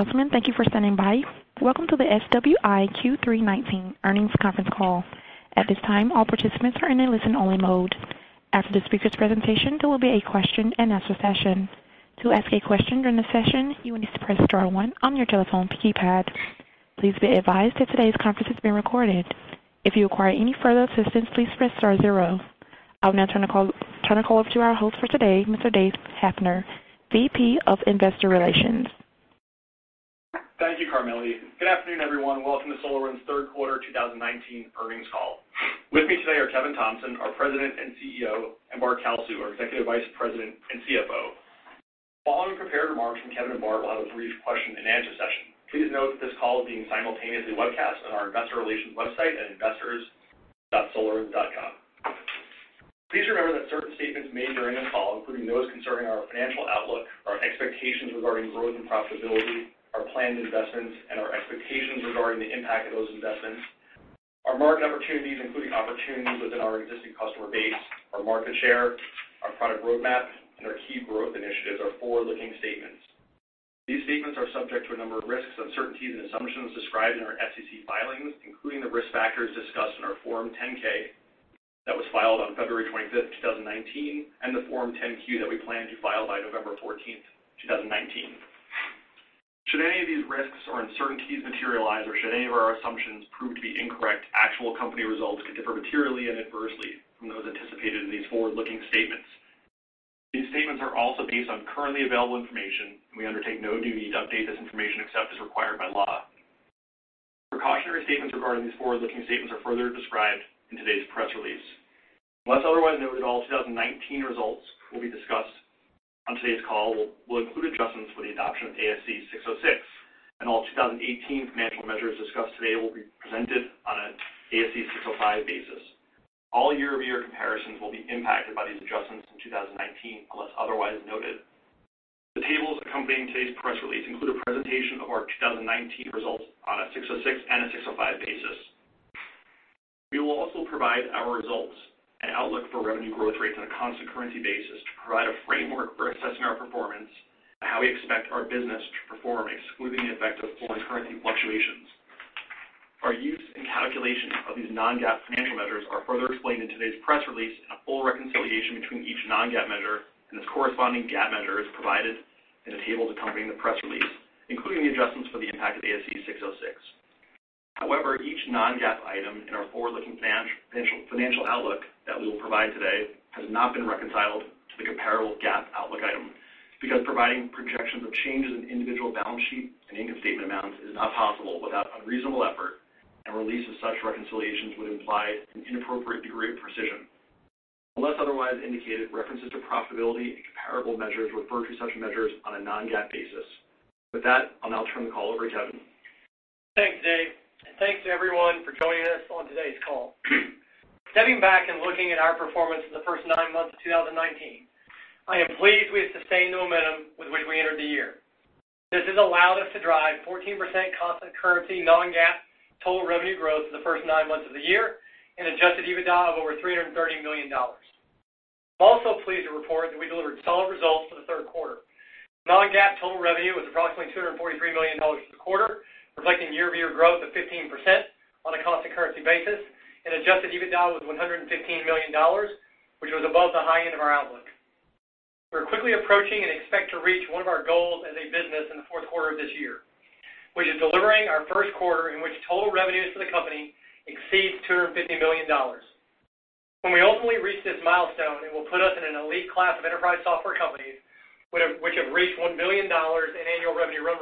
Gentlemen, thank you for standing by. Welcome to the SolarWinds Q3 '19 earnings conference call. At this time, all participants are in a listen-only mode. After the speakers' presentation, there will be a question-and-answer session. To ask a question during the session, you will need to press star one on your telephone keypad. Please be advised that today's conference is being recorded. If you require any further assistance, please press star zero. I'll now turn the call over to our host for today, Mr. Howard Haffner, VP of Investor Relations. Thank you, Emily. Good afternoon, everyone. Welcome to SolarWinds' third quarter 2019 earnings call. With me today are Kevin Thompson, our President and CEO, and Bart Kalsu, our Executive Vice President and CFO. Following prepared remarks from Kevin and Bart, we'll have a brief question-and-answer session. Please note that this call is being simultaneously webcast on our investor relations website at investors.solarwinds.com. Please remember that certain statements made during this call, including those concerning our financial outlook, our expectations regarding growth and profitability, our planned investments, and our expectations regarding the impact of those investments, our market opportunities, including opportunities within our existing customer base, our market share, our product roadmap, and our key growth initiatives are forward-looking statements. These statements are subject to a number of risks, uncertainties, and assumptions described in our SEC filings, including the risk factors discussed in our Form 10-K that was filed on February 25th, 2019, and the Form 10-Q that we plan to file by November 14th, 2019. Should any of these risks or uncertainties materialize or should any of our assumptions prove to be incorrect, actual company results could differ materially and adversely from those anticipated in these forward-looking statements. These statements are also based on currently available information, and we undertake no duty to update this information except as required by law. Precautionary statements regarding these forward-looking statements are further described in today's press release. Unless otherwise noted, all 2019 results discussed on today's call will include adjustments for the adoption of ASC 606, and all 2018 financial measures discussed today will be presented on an ASC 605 basis. All year-over-year comparisons will be impacted by these adjustments in 2019, unless otherwise noted. The tables accompanying today's press release include a presentation of our 2019 results on a 606 and a 605 basis. We will also provide our results and outlook for revenue growth rates on a constant currency basis to provide a framework for assessing our performance and how we expect our business to perform, excluding the effect of foreign currency fluctuations. Our use and calculation of these non-GAAP financial measures are further explained in today's press release, and a full reconciliation between each non-GAAP measure and its corresponding GAAP measure is provided in a table accompanying the press release, including the adjustments for the impact of ASC 606. However, each non-GAAP item in our forward-looking financial outlook that we will provide today has not been reconciled to the comparable GAAP outlook item, because providing projections of changes in individual balance sheet and income statement amounts is not possible without unreasonable effort, and release of such reconciliations would imply an inappropriate degree of precision. Unless otherwise indicated, references to profitability and comparable measures refer to such measures on a non-GAAP basis. With that, I'll now turn the call over to Kevin. Thanks, Howard, and thanks to everyone for joining us on today's call. Stepping back and looking at our performance in the first nine months of 2019, I am pleased we have sustained the momentum with which we entered the year. This has allowed us to drive 14% constant currency non-GAAP total revenue growth for the first nine months of the year and adjusted EBITDA of over $330 million. I'm also pleased to report that we delivered solid results for the third quarter. Non-GAAP total revenue was approximately $243 million for the quarter, reflecting year-over-year growth of 15% on a constant currency basis, and adjusted EBITDA was $115 million, which was above the high end of our outlook. We're quickly approaching and expect to reach one of our goals as a business in the fourth quarter of this year, which is delivering our first quarter in which total revenues for the company exceeds $250 million. When we ultimately reach this milestone, it will put us in an elite class of enterprise software companies which have reached $1 billion in annual revenue run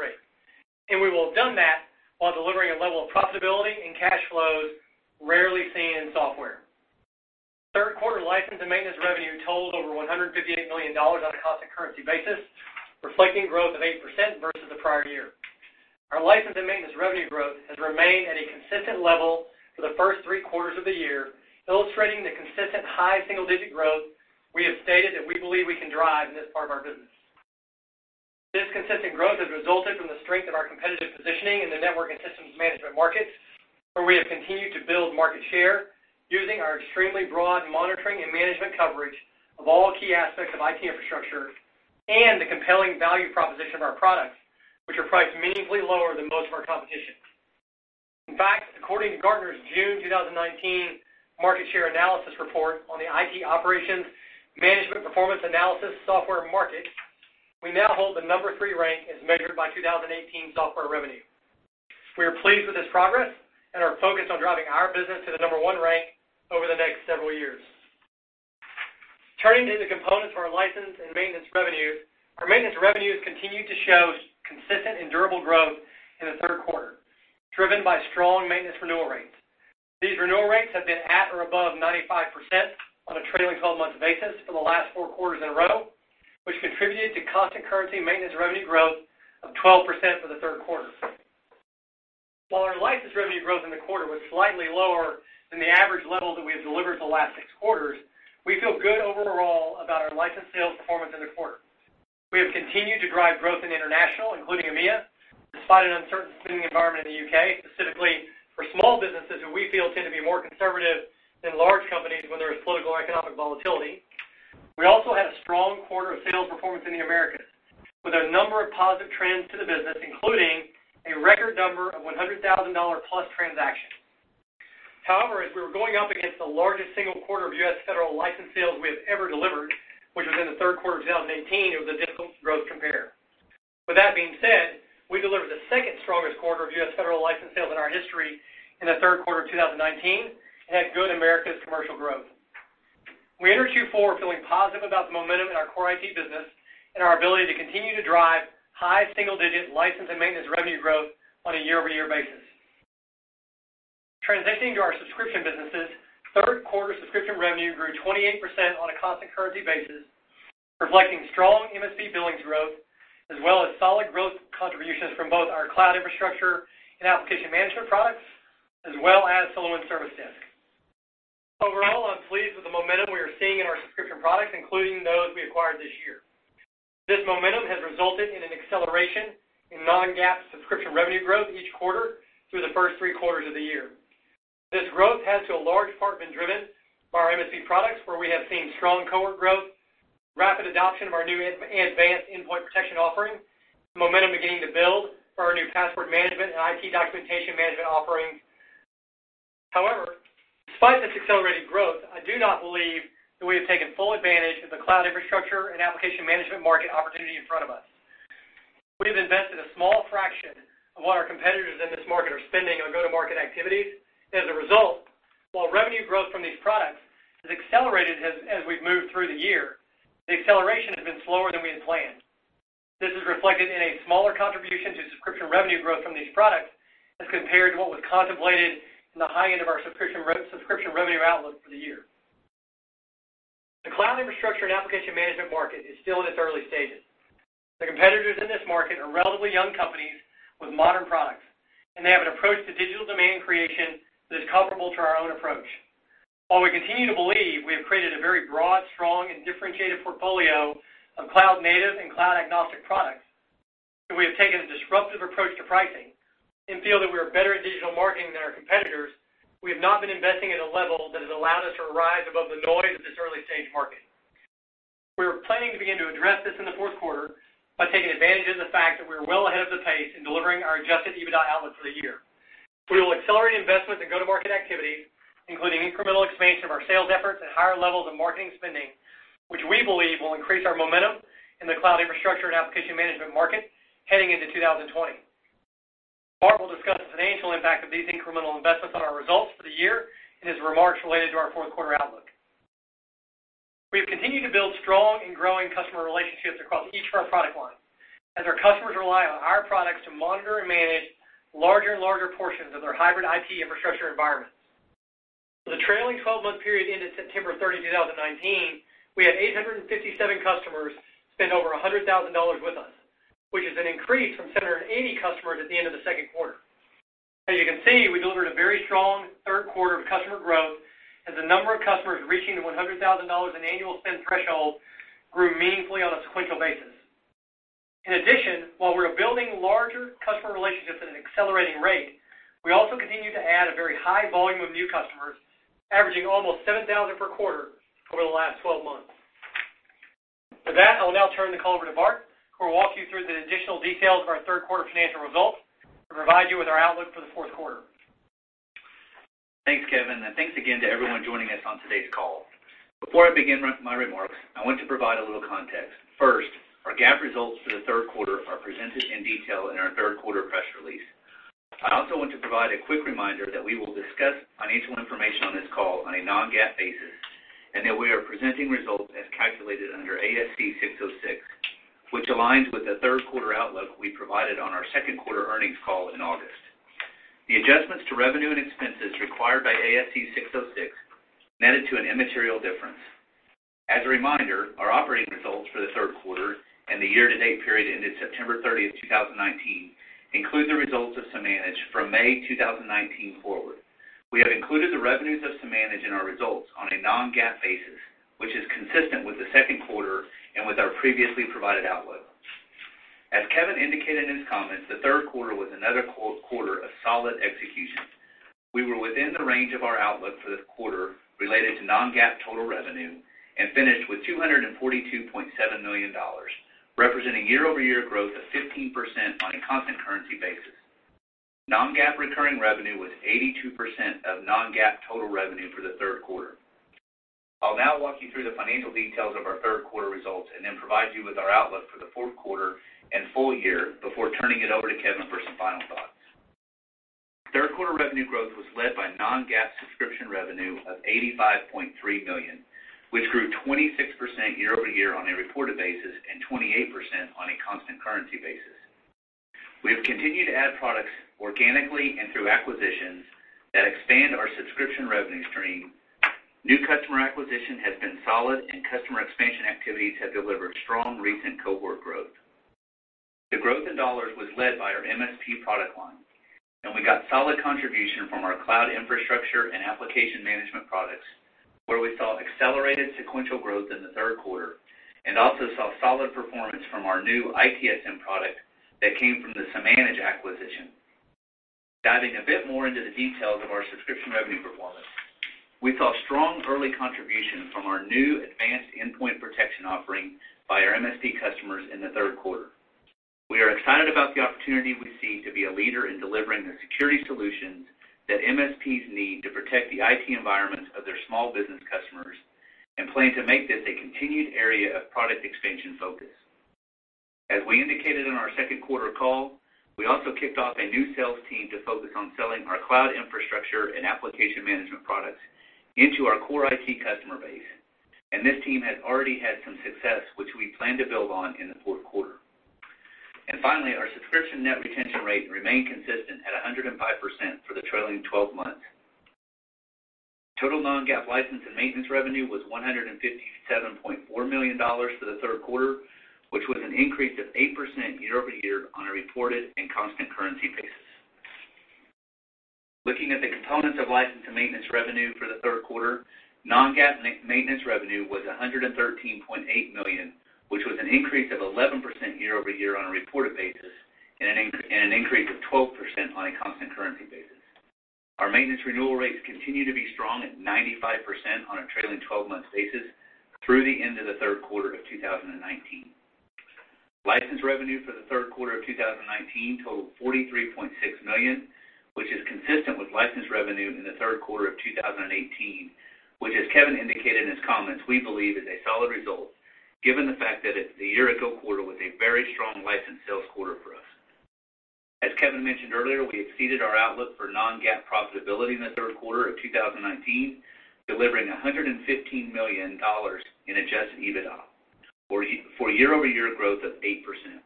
rate. We will have done that while delivering a level of profitability and cash flows rarely seen in software. Third quarter license and maintenance revenue totaled over $158 million on a constant currency basis, reflecting growth of 8% versus the prior year. Our license and maintenance revenue growth has remained at a consistent level for the first three quarters of the year, illustrating the consistent high single-digit growth we have stated that we believe we can drive in this part of our business. This consistent growth has resulted from the strength of our competitive positioning in the network and systems management markets, where we have continued to build market share using our extremely broad monitoring and management coverage of all key aspects of IT infrastructure and the compelling value proposition of our products, which are priced meaningfully lower than most of our competition. In fact, according to Gartner's June 2019 market share analysis report on the IT operations management performance analysis software market, we now hold the number 3 rank as measured by 2018 software revenue. We are pleased with this progress and are focused on driving our business to the number 1 rank over the next several years. Turning to the components of our license and maintenance revenue, our maintenance revenues continued to show consistent and durable growth in the third quarter, driven by strong maintenance renewal rates. These renewal rates have been at or above 95% on a trailing 12-month basis for the last four quarters in a row, which contributed to constant currency maintenance revenue growth of 12% for the third quarter. While our license revenue growth in the quarter was slightly lower than the average level that we have delivered the last six quarters, we feel good overall about our license sales performance in the quarter. We have continued to drive growth in international, including EMEA, despite an uncertain spending environment in the U.K., specifically for small businesses who we feel tend to be more conservative than large companies when there is political or economic volatility. We also had a strong quarter of sales performance in the Americas, with a number of positive trends to the business, including a record number of $100,000-plus transactions. However, as we were going up against the largest single quarter of U.S. federal license sales we have ever delivered, which was in the third quarter of 2018, it was a difficult growth compare. With that being said, we delivered the second strongest quarter of U.S. federal license sales in our history in the third quarter of 2019, and had good Americas commercial growth. We enter Q4 feeling positive about the momentum in our core IT business and our ability to continue to drive high single-digit license and maintenance revenue growth on a year-over-year basis. Transitioning to our subscription businesses, third quarter subscription revenue grew 28% on a constant currency basis, reflecting strong MSP billings growth, as well as solid growth contributions from both our cloud infrastructure and application management products, as well as SolarWinds Service Desk. Overall, I'm pleased with the momentum we are seeing in our subscription products, including those we acquired this year. This momentum has resulted in an acceleration in non-GAAP subscription revenue growth each quarter through the first three quarters of the year. This growth has, to a large part, been driven by our MSP products, where we have seen strong cohort growth, rapid adoption of our new advanced endpoint protection offering, momentum beginning to build for our new password management and IT documentation management offerings. Despite this accelerated growth, I do not believe that we have taken full advantage of the cloud infrastructure and application management market opportunity in front of us. We have invested a small fraction of what our competitors in this market are spending on go-to-market activities. As a result, while revenue growth from these products has accelerated as we've moved through the year, the acceleration has been slower than we had planned. This is reflected in a smaller contribution to subscription revenue growth from these products as compared to what was contemplated in the high end of our subscription revenue outlook for the year. The cloud infrastructure and application management market is still in its early stages. The competitors in this market are relatively young companies with modern products, and they have an approach to digital demand creation that is comparable to our own approach. While we continue to believe we have created a very broad, strong, and differentiated portfolio of cloud-native and cloud-agnostic products, and we have taken a disruptive approach to pricing, and feel that we are better at digital marketing than our competitors, we have not been investing at a level that has allowed us to rise above the noise of this early-stage market. We are planning to begin to address this in the fourth quarter by taking advantage of the fact that we are well ahead of the pace in delivering our adjusted EBITDA outlook for the year. We will accelerate investments in go-to-market activities, including incremental expansion of our sales efforts and higher levels of marketing spending, which we believe will increase our momentum in the cloud infrastructure and application management market heading into 2020. Bart will discuss the financial impact of these incremental investments on our results for the year in his remarks related to our fourth quarter outlook. We have continued to build strong and growing customer relationships across each of our product lines as our customers rely on our products to monitor and manage larger and larger portions of their hybrid IT infrastructure environments. For the trailing 12-month period ended September 30, 2019, we had 857 customers spend over $100,000 with us, which is an increase from 780 customers at the end of the second quarter. As you can see, we delivered a very strong third quarter of customer growth as the number of customers reaching the $100,000 in annual spend threshold grew meaningfully on a sequential basis. While we're building larger customer relationships at an accelerating rate, we also continue to add a very high volume of new customers, averaging almost 7,000 per quarter over the last 12 months. With that, I will now turn the call over to Bart, who will walk you through the additional details of our third quarter financial results and provide you with our outlook for the fourth quarter. Thanks, Kevin, and thanks again to everyone joining us on today's call. Before I begin my remarks, I want to provide a little context. First, our GAAP results for the third quarter are presented in detail in our third quarter press release. I also want to provide a quick reminder that we will discuss financial information on this call on a non-GAAP basis, and that we are presenting results as calculated under ASC 606, which aligns with the third quarter outlook we provided on our second quarter earnings call in August. The adjustments to revenue and expenses required by ASC 606 netted to an immaterial difference. As a reminder, our operating results for the third quarter and the year-to-date period ended September 30, 2019, include the results of Samanage from May 2019 forward. We have included the revenues of Samanage in our results on a non-GAAP basis, which is consistent with the second quarter and with our previously provided outlook. As Kevin indicated in his comments, the third quarter was another quarter of solid execution. We were within the range of our outlook for the quarter related to non-GAAP total revenue and finished with $242.7 million, representing year-over-year growth of 15% on a constant currency basis. Non-GAAP recurring revenue was 82% of non-GAAP total revenue for the third quarter. I'll now walk you through the financial details of our third quarter results and then provide you with our outlook for the fourth quarter and full year before turning it over to Kevin for some final thoughts. Third quarter revenue growth was led by non-GAAP subscription revenue of $85.3 million, which grew 26% year-over-year on a reported basis and 28% on a constant currency basis. We have continued to add products organically and through acquisitions that expand our subscription revenue stream. New customer acquisition has been solid, and customer expansion activities have delivered strong recent cohort growth. The growth in dollars was led by our MSP product line, and we got solid contribution from our cloud infrastructure and application management products, where we saw accelerated sequential growth in the third quarter and also saw solid performance from our new ITSM product that came from the Samanage acquisition. Diving a bit more into the details of our subscription revenue performance, we saw strong early contribution from our new advanced endpoint protection offering by our MSP customers in the third quarter. We are excited about the opportunity we see to be a leader in delivering the security solutions that MSPs need to protect the IT environments of their small business customers, plan to make this a continued area of product expansion focus. As we indicated on our second quarter call, we also kicked off a new sales team to focus on selling our cloud infrastructure and application management products into our core IT customer base, this team has already had some success, which we plan to build on in the fourth quarter. Finally, our subscription net retention rate remained consistent at 105% for the trailing 12 months. Total non-GAAP license and maintenance revenue was $157.4 million for the third quarter, which was an increase of 8% year-over-year on a reported and constant currency basis. Looking at the components of license and maintenance revenue for the third quarter, non-GAAP maintenance revenue was $113.8 million, which was an increase of 11% year-over-year on a reported basis, and an increase of 12% on a constant currency basis. Our maintenance renewal rates continue to be strong at 95% on a trailing 12-month basis through the end of the third quarter of 2019. License revenue for the third quarter of 2019 totaled $43.6 million, which is consistent with license revenue in the third quarter of 2018, which, as Kevin indicated in his comments, we believe is a solid result given the fact that the year-ago quarter was a very strong license sales quarter for us. As Kevin mentioned earlier, we exceeded our outlook for non-GAAP profitability in the third quarter of 2019, delivering $115 million in adjusted EBITDA for year-over-year growth of 8%.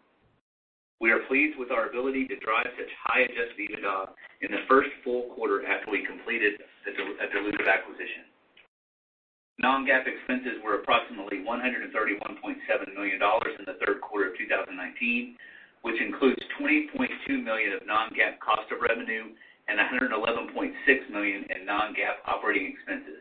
We are pleased with our ability to drive such high adjusted EBITDA in the first full quarter after we completed a dilutive acquisition. Non-GAAP expenses were approximately $131.7 million in the third quarter of 2019, which includes $20.2 million of non-GAAP cost of revenue and $111.6 million in non-GAAP operating expenses,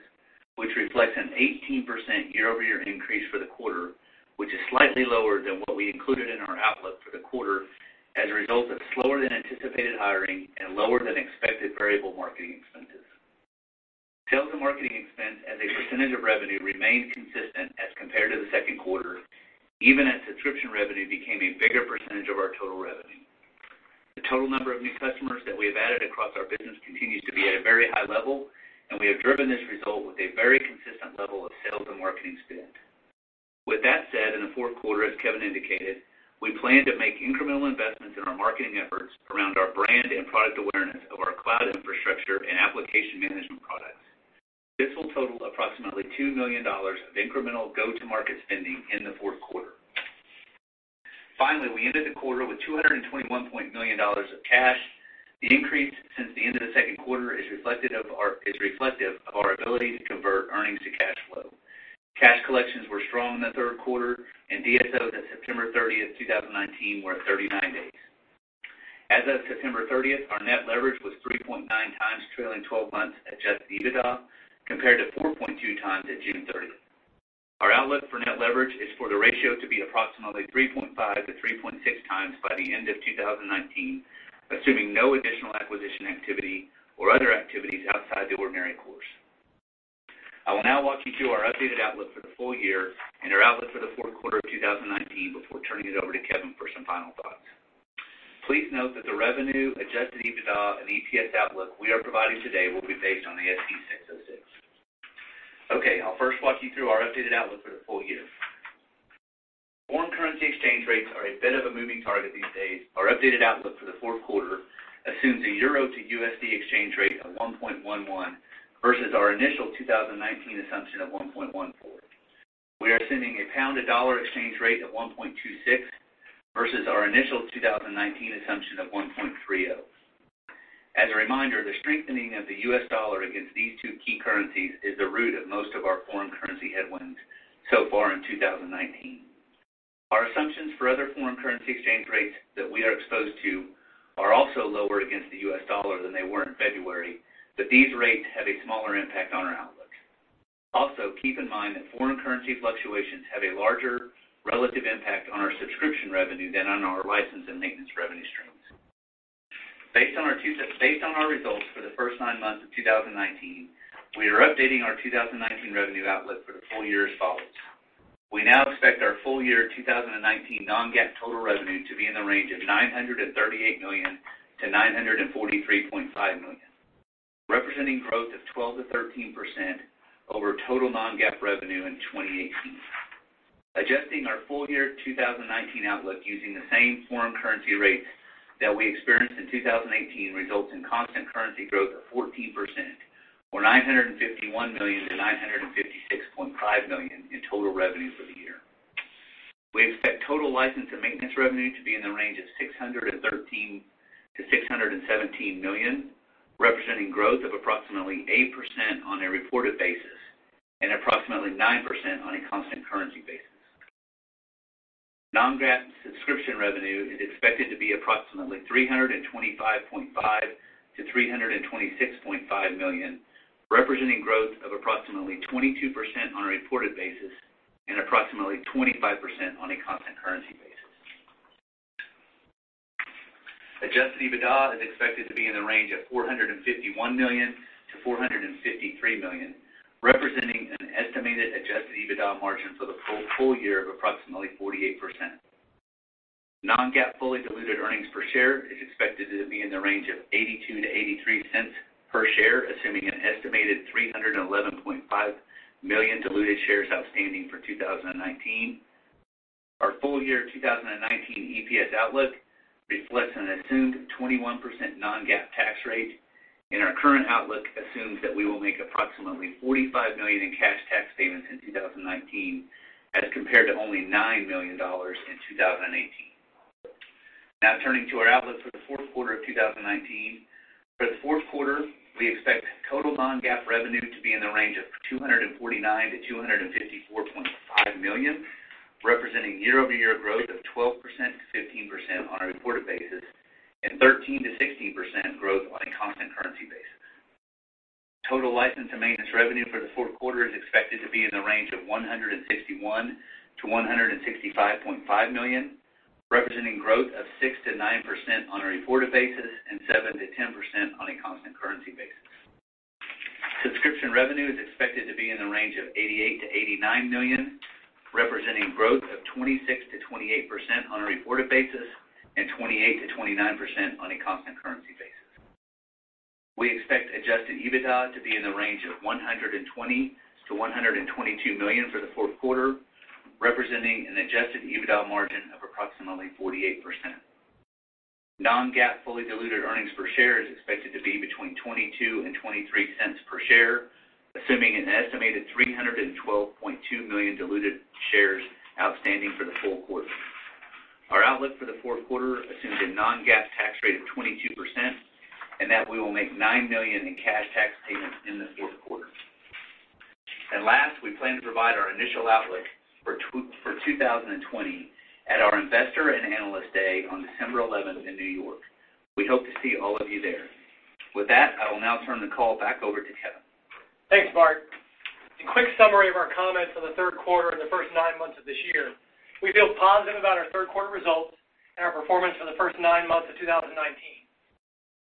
which reflects an 18% year-over-year increase for the quarter. Which is slightly lower than what we included in our outlook for the quarter as a result of slower than anticipated hiring and lower than expected variable marketing expenses. Sales and marketing expense as a percentage of revenue remained consistent as compared to the second quarter, even as subscription revenue became a bigger percentage of our total revenue. The total number of new customers that we have added across our business continues to be at a very high level, and we have driven this result with a very consistent level of sales and marketing spend. With that said, in the fourth quarter, as Kevin indicated, we plan to make incremental investments in our marketing efforts around our brand and product awareness of our cloud infrastructure and application management products. This will total approximately $2 million of incremental go-to-market spending in the fourth quarter. Finally, we ended the quarter with $221.9 million of cash. The increase since the end of the second quarter is reflective of our ability to convert earnings to cash flow. Cash collections were strong in the third quarter, and DSOs at September 30th, 2019, were 39 days. As of September 30th, our net leverage was 3.9 times trailing 12 months adjusted EBITDA, compared to 4.2 times at June 30th. Our outlook for net leverage is for the ratio to be approximately 3.5 to 3.6 times by the end of 2019, assuming no additional acquisition activity or other activities outside the ordinary course. I will now walk you through our updated outlook for the full year and our outlook for the fourth quarter of 2019 before turning it over to Kevin for some final thoughts. Please note that the revenue, adjusted EBITDA, and EPS outlook we are providing today will be based on ASC 606. Okay. I'll first walk you through our updated outlook for the full year. Foreign currency exchange rates are a bit of a moving target these days. Our updated outlook for the fourth quarter assumes a euro to USD exchange rate of 1.11 versus our initial 2019 assumption of 1.14. We are assuming a pound to dollar exchange rate of 1.26 versus our initial 2019 assumption of 1.30. As a reminder, the strengthening of the U.S. dollar against these two key currencies is the root of most of our foreign currency headwinds so far in 2019. Our assumptions for other foreign currency exchange rates that we are exposed to are also lower against the U.S. dollar than they were in February, but these rates have a smaller impact on our outlook. Also, keep in mind that foreign currency fluctuations have a larger relative impact on our subscription revenue than on our license and maintenance revenue streams. Based on our results for the first nine months of 2019, we are updating our 2019 revenue outlook for the full year as follows. We now expect our full year 2019 non-GAAP total revenue to be in the range of $938 million-$943.5 million, representing growth of 12%-13% over total non-GAAP revenue in 2018. Adjusting our full year 2019 outlook using the same foreign currency rates that we experienced in 2018 results in constant currency growth of 14%, or $951 million-$956.5 million in total revenue for the year. We expect total license and maintenance revenue to be in the range of $613 million-$617 million, representing growth of approximately 8% on a reported basis and approximately 9% on a constant currency basis. Non-GAAP subscription revenue is expected to be approximately $325.5 million-$326.5 million. Representing growth of approximately 22% on a reported basis and approximately 25% on a constant currency basis. Adjusted EBITDA is expected to be in the range of $451 million-$453 million, representing an estimated adjusted EBITDA margin for the full year of approximately 48%. Non-GAAP fully diluted earnings per share is expected to be in the range of $0.82-$0.83 per share, assuming an estimated 311.5 million diluted shares outstanding for 2019. Our full year 2019 EPS outlook reflects an assumed 21% non-GAAP tax rate, and our current outlook assumes that we will make approximately $45 million in cash tax payments in 2019 as compared to only $9 million in 2018. Turning to our outlook for the fourth quarter of 2019. For the fourth quarter, we expect total non-GAAP revenue to be in the range of $249 million-$254.5 million, representing year-over-year growth of 12%-15% on a reported basis and 13%-16% growth on a constant currency basis. Total license and maintenance revenue for the fourth quarter is expected to be in the range of $161 million-$165.5 million, representing growth of 6%-9% on a reported basis and 7%-10% on a constant currency basis. Subscription revenue is expected to be in the range of $88 million-$89 million, representing growth of 26%-28% on a reported basis and 28%-29% on a constant currency basis. We expect adjusted EBITDA to be in the range of $120 million-$122 million for the fourth quarter, representing an adjusted EBITDA margin of approximately 48%. Non-GAAP fully diluted earnings per share is expected to be between $0.22 and $0.23 per share, assuming an estimated 312.2 million diluted shares outstanding for the full quarter. Our outlook for the fourth quarter assumes a non-GAAP tax rate of 22% and that we will make $9 million in cash tax payments in the fourth quarter. Last, we plan to provide our initial outlook for 2020 at our Investor and Analyst Day on December 11th in N.Y. We hope to see all of you there. With that, I will now turn the call back over to Kevin. Thanks, Bart. A quick summary of our comments on the third quarter and the first nine months of this year. We feel positive about our third quarter results and our performance for the first nine months of 2019.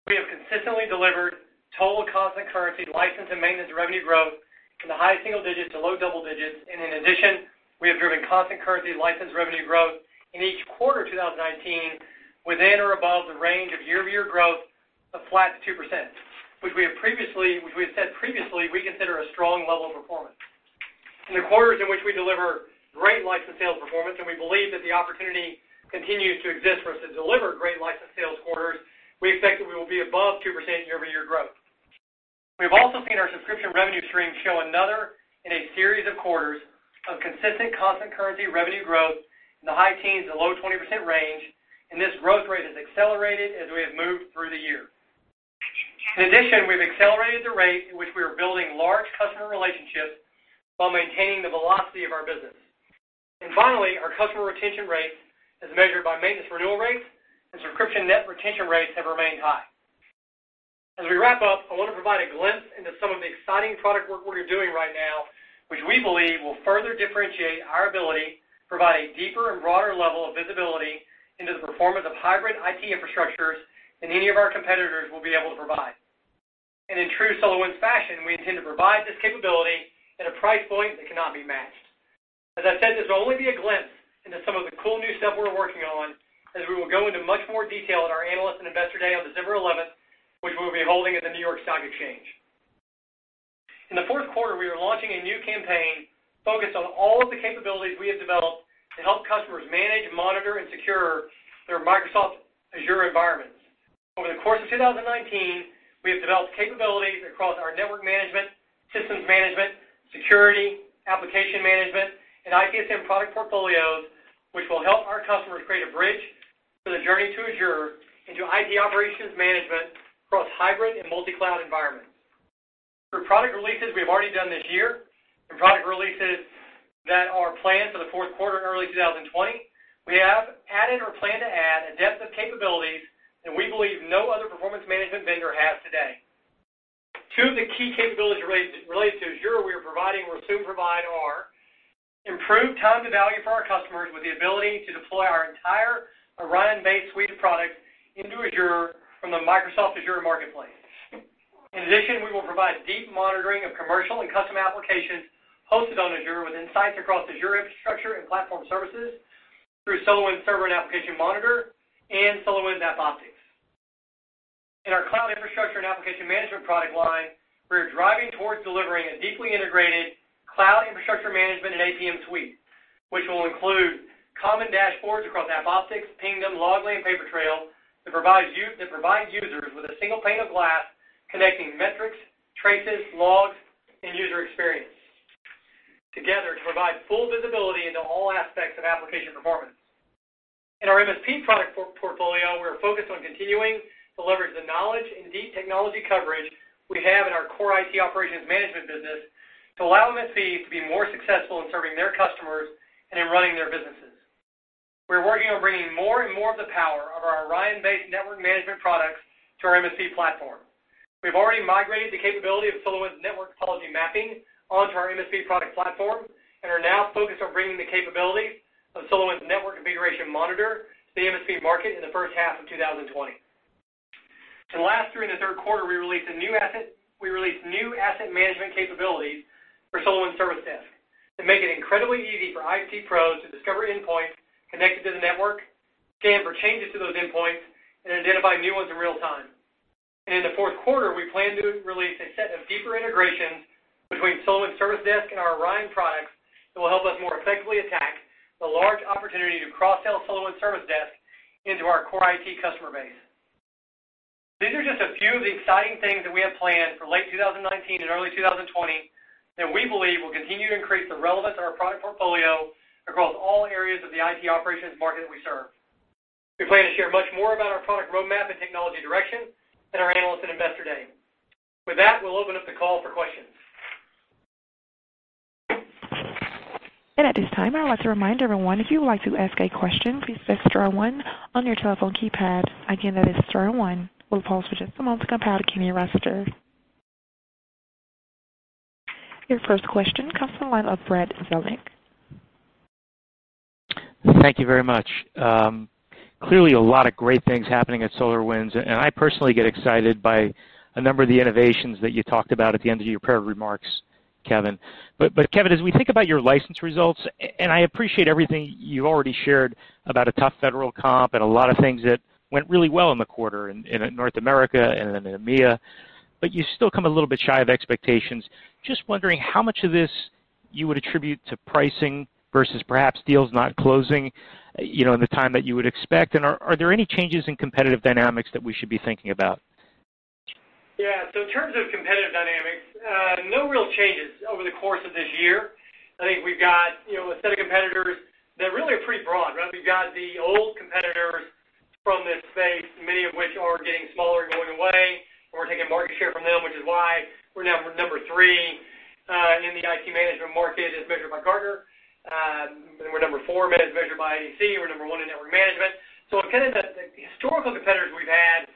We have consistently delivered total constant currency license and maintenance revenue growth from the high single digits to low double digits, and in addition, we have driven constant currency license revenue growth in each quarter of 2019 within or above the range of year-over-year growth of flat to 2%, which we have said previously we consider a strong level of performance. In the quarters in which we deliver great license sales performance, and we believe that the opportunity continues to exist for us to deliver great license sales quarters, we expect that we will be above 2% year-over-year growth. We've also seen our subscription revenue stream show another in a series of quarters of consistent constant currency revenue growth in the high teens and low 20% range, and this growth rate has accelerated as we have moved through the year. In addition, we've accelerated the rate in which we are building large customer relationships while maintaining the velocity of our business. Finally, our customer retention rate as measured by maintenance renewal rates and subscription net retention rates have remained high. As we wrap up, I want to provide a glimpse into some of the exciting product work we are doing right now, which we believe will further differentiate our ability to provide a deeper and broader level of visibility into the performance of hybrid IT infrastructures than any of our competitors will be able to provide. In true SolarWinds fashion, we intend to provide this capability at a price point that cannot be matched. As I said, this will only be a glimpse into some of the cool new stuff we're working on, as we will go into much more detail at our Analyst and Investor Day on December 11th, which we will be holding at the New York Stock Exchange. In the fourth quarter, we are launching a new campaign focused on all of the capabilities we have developed to help customers manage, monitor, and secure their Microsoft Azure environments. Over the course of 2019, we have developed capabilities across our network management, systems management, security, application management, and ITSM product portfolios, which will help our customers create a bridge for the journey to Azure into IT operations management across hybrid and multi-cloud environments. Through product releases we've already done this year and product releases that are planned for the fourth quarter and early 2020, we have added or plan to add a depth of capabilities that we believe no other performance management vendor has today. Two of the key capabilities related to Azure we are providing or soon provide are: improved time to value for our customers with the ability to deploy our entire Orion-based suite of products into Azure from the Microsoft Azure marketplace. In addition, we will provide deep monitoring of commercial and custom applications hosted on Azure with insights across Azure infrastructure and platform services through SolarWinds Server & Application Monitor and SolarWinds AppOptics. In our cloud infrastructure and application management product line, we are driving towards delivering a deeply integrated cloud infrastructure management and APM suite, which will include common dashboards across AppOptics, Pingdom, Loggly, and Papertrail that provide users with a single pane of glass connecting metrics, traces, logs, and user experience together to provide full visibility into all aspects of application performance. In our MSP product portfolio, we're focused on continuing to leverage the knowledge and deep technology coverage we have in our core IT operations management business to allow MSPs to be more successful in serving their customers and in running their businesses. We're working on bringing more and more of the power of our Orion-based network management products to our MSP platform. We've already migrated the capability of SolarWinds network topology mapping onto our MSP product platform, and are now focused on bringing the capabilities of SolarWinds Network Configuration Manager to the MSP market in the first half of 2020. Last, during the third quarter, we released new asset management capabilities for SolarWinds Service Desk that make it incredibly easy for IT pros to discover endpoints connected to the network, scan for changes to those endpoints, and identify new ones in real time. In the fourth quarter, we plan to release a set of deeper integrations between SolarWinds Service Desk and our Orion products that will help us more effectively attack the large opportunity to cross-sell SolarWinds Service Desk into our core IT customer base. These are just a few of the exciting things that we have planned for late 2019 and early 2020 that we believe will continue to increase the relevance of our product portfolio across all areas of the IT operations market we serve. We plan to share much more about our product roadmap and technology direction at our Analyst and Investor Day. With that, we'll open up the call for questions. At this time, I would like to remind everyone, if you would like to ask a question, please press star one on your telephone keypad. Again, that is star one. We'll pause for just a moment to compile a queue of registrants. Your first question comes from the line of Brad Zelnick. Thank you very much. Clearly a lot of great things happening at SolarWinds. I personally get excited by a number of the innovations that you talked about at the end of your prepared remarks, Kevin. Kevin, as we think about your license results, I appreciate everything you've already shared about a tough Federal comp and a lot of things that went really well in the quarter in North America and then in EMEA, but you still come a little bit shy of expectations. Just wondering how much of this you would attribute to pricing versus perhaps deals not closing in the time that you would expect? Are there any changes in competitive dynamics that we should be thinking about? Yeah. In terms of competitive dynamics, no real changes over the course of this year. I think we've got a set of competitors that really are pretty broad, right? We've got the old competitors from this space, many of which are getting smaller and going away, and we're taking market share from them, which is why we're now number 3 in the IT management market as measured by Gartner. We're number 4 as measured by IDC. We're number 1 in network management. Kind of the historical competitors we've had,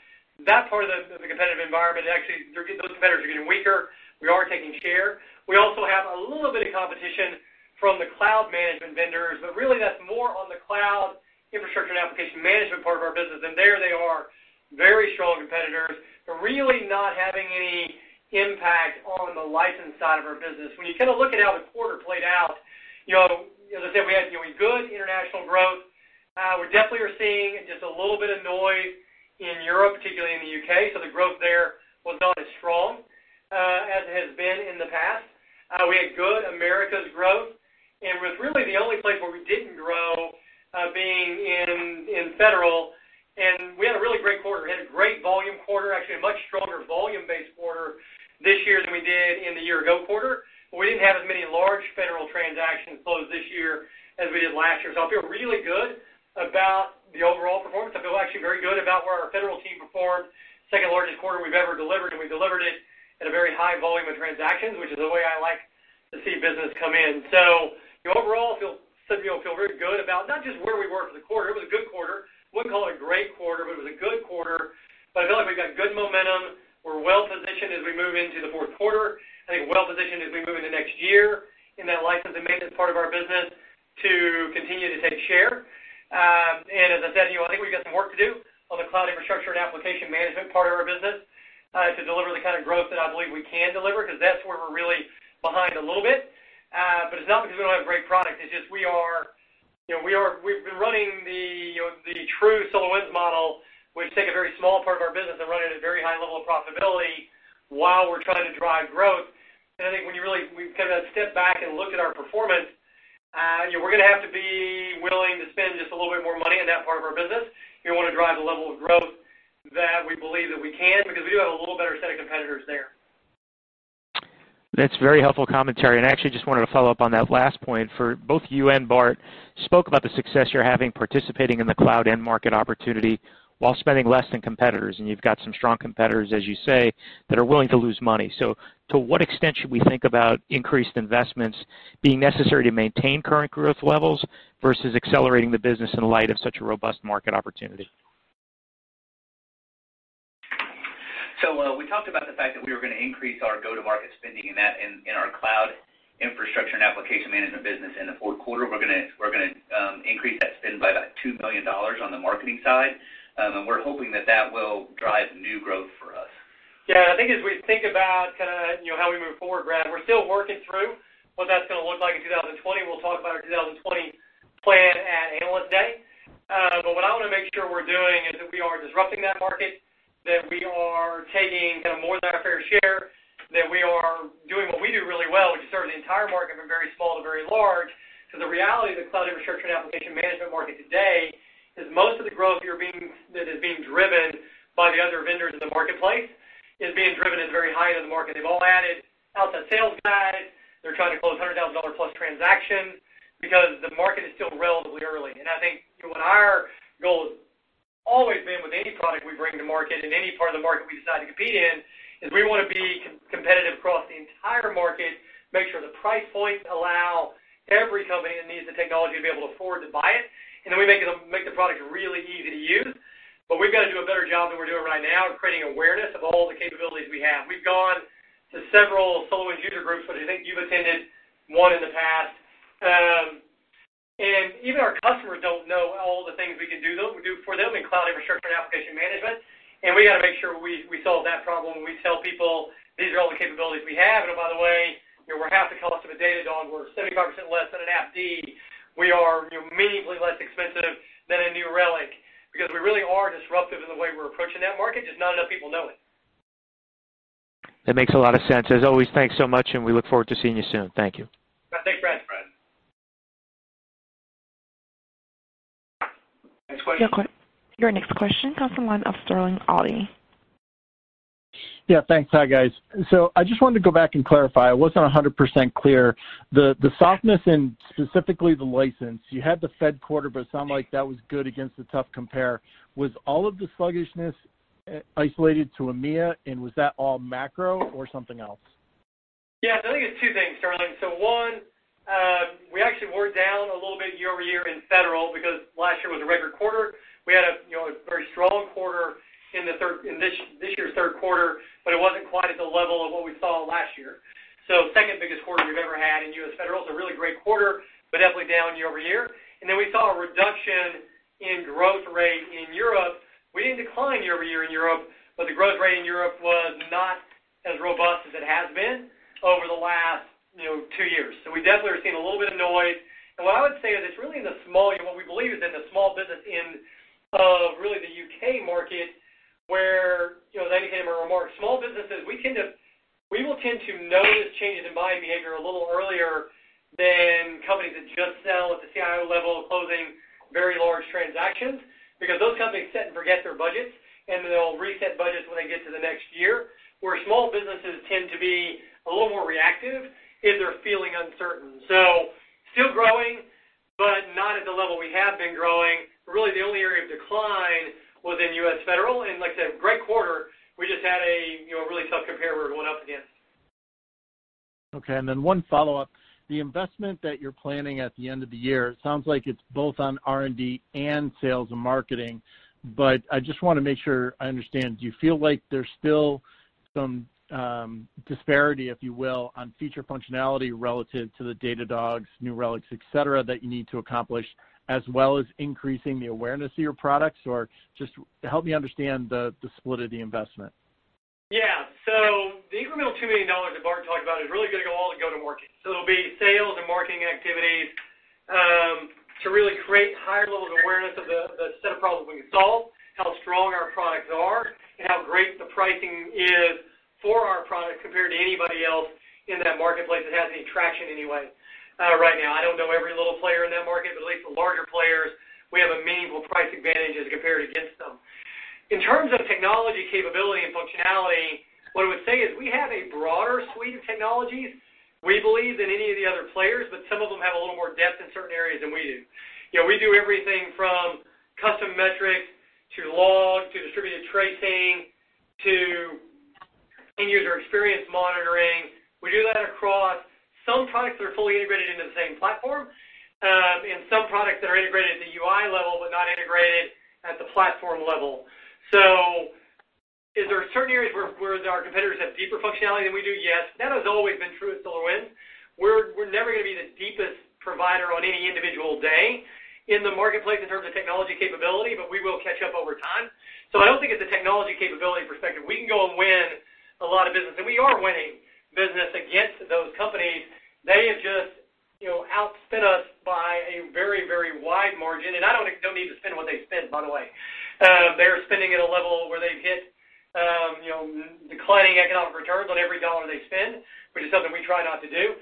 that part of the competitive environment, actually those competitors are getting weaker. We are taking share. We also have a little bit of competition from the cloud management vendors, but really that's more on the cloud infrastructure and application management part of our business, and there they are very strong competitors, but really not having any impact on the license side of our business. When you kind of look at how the quarter played out, as I said, we had good international growth. We definitely are seeing just a little bit of noise in Europe, particularly in the U.K. The growth there was not as strong as it has been in the past. We had good Americas growth. Was really the only place where we didn't grow, being in federal. We had a really great quarter. We had a great volume quarter, actually a much stronger volume-based quarter this year than we did in the year ago quarter. We didn't have as many large federal transactions close this year as we did last year. I feel really good about the overall performance. I feel actually very good about where our federal team performed. Second largest quarter we've ever delivered. We delivered it at a very high volume of transactions, which is the way I like to see business come in. Overall, I feel very good about not just where we were for the quarter. It was a good quarter. Wouldn't call it a great quarter. It was a good quarter. I feel like we've got good momentum. We're well-positioned as we move into the fourth quarter. I think well-positioned as we move into next year in that license and maintenance part of our business to continue to take share. As I said, I think we've got some work to do on the cloud infrastructure and application management part of our business to deliver the kind of growth that I believe we can deliver, because that's where we're really behind a little bit. It's not because we don't have a great product. It's just we've been running the true SolarWinds model, which is take a very small part of our business and run it at a very high level of profitability while we're trying to drive growth. I think when you really kind of step back and look at our performance, we're going to have to be willing to spend just a little bit more money in that part of our business if we want to drive the level of growth that we believe that we can because we do have a little better set of competitors there. That's very helpful commentary. I actually just wanted to follow up on that last point for both you and Bart. You spoke about the success you're having participating in the cloud end market opportunity while spending less than competitors, and you've got some strong competitors, as you say, that are willing to lose money. To what extent should we think about increased investments being necessary to maintain current growth levels versus accelerating the business in light of such a robust market opportunity? We talked about the fact that we were going to increase our go-to-market spending in our cloud infrastructure and application management business in the fourth quarter. We're going to increase that spend by about $2 million on the marketing side. We're hoping that that will drive new growth for us. I think as we think about kind of how we move forward, Brad, we're still working through what that's going to look like in 2020, and we'll talk about our 2020 plan at Analyst Day. What I want to make sure we're doing is that we are disrupting that market, that we are taking kind of more than our fair share, that we are doing what we do really well, which is serve the entire market from very small to very large. The reality of the cloud infrastructure and application management market today is most of the growth that is being driven by the other vendors in the marketplace is being driven at the very high end of the market. They've all added outside sales guys. They're trying to close $100,000-plus transactions because the market is still relatively early. I think market in any part of the market we decide to compete in, is we want to be competitive across the entire market, make sure the price points allow every company that needs the technology to be able to afford to buy it, and then we make the product really easy to use. We've got to do a better job than we're doing right now in creating awareness of all the capabilities we have. We've gone to several SolarWinds user groups, which I think you've attended one in the past. Even our customers don't know all the things we can do for them in cloud infrastructure and application management. We've got to make sure we solve that problem, and we tell people, "These are all the capabilities we have. By the way, we're half the cost of a Datadog. We're 75% less than an AppDynamics. We are meaningfully less expensive than a New Relic. We really are disruptive in the way we're approaching that market, just not enough people know it. That makes a lot of sense. As always, thanks so much, and we look forward to seeing you soon. Thank you. Thanks, Brad. Next question. Your next question comes from the line of Sterling Auty. Yeah, thanks. Hi, guys. I just wanted to go back and clarify. I wasn't 100% clear. The softness in specifically the license, you had the fourth quarter, but it sounded like that was good against the tough compare. Was all of the sluggishness isolated to EMEA, and was that all macro or something else? I think it's two things, Sterling. One, we actually were down a little bit year-over-year in federal because last year was a record quarter. We had a very strong quarter in this year's third quarter, but it wasn't quite at the level of what we saw last year. Second biggest quarter we've ever had in U.S. federal. It's a really great quarter, but definitely down year-over-year. Then we saw a reduction in growth rate in Europe. We didn't decline year-over-year in Europe, but the growth rate in Europe was not as robust as it has been over the last two years. We definitely are seeing a little bit of noise. What I would say is it's really in the small, what we believe is in the small business end of really the U.K. market where, as I made a remark, small businesses, we will tend to notice changes in buying behavior a little earlier than companies that just sell at the CIO level, closing very large transactions, because those companies set and forget their budgets, and then they'll reset budgets when they get to the next year. Where small businesses tend to be a little more reactive if they're feeling uncertain. Still growing, but not at the level we have been growing. The only area of decline was in U.S. federal, and like I said, great quarter, we just had a really tough compare we were going up against. Okay, one follow-up. The investment that you're planning at the end of the year, it sounds like it's both on R&D and sales and marketing, but I just want to make sure I understand. Do you feel like there's still some disparity, if you will, on feature functionality relative to the Datadog, New Relic, et cetera, that you need to accomplish, as well as increasing the awareness of your products? Just help me understand the split of the investment. Yeah. The incremental $2 million that Bart talked about is really going to go all to go to market. It'll be sales and marketing activities to really create higher levels of awareness of the set of problems we can solve, how strong our products are, and how great the pricing is for our product compared to anybody else in that marketplace that has any traction anyway right now. I don't know every little player in that market, at least the larger players, we have a meaningful price advantage as compared against them. In terms of technology capability and functionality, what I would say is we have a broader suite of technologies, we believe, than any of the other players, some of them have a little more depth in certain areas than we do. We do everything from custom metrics to log to distributed tracing to end-user experience monitoring. We do that across some products that are fully integrated into the same platform, and some products that are integrated at the UI level but not integrated at the platform level. Is there certain areas where our competitors have deeper functionality than we do? Yes. That has always been true at SolarWinds. We're never going to be the deepest provider on any individual day in the marketplace in terms of technology capability, but we will catch up over time. I don't think it's a technology capability perspective. We can go and win a lot of business, and we are winning business against those companies. They have just outspent us by a very, very wide margin, and I don't need to spend what they spend, by the way. They are spending at a level where they've hit declining economic returns on every dollar they spend, which is something we try not to do.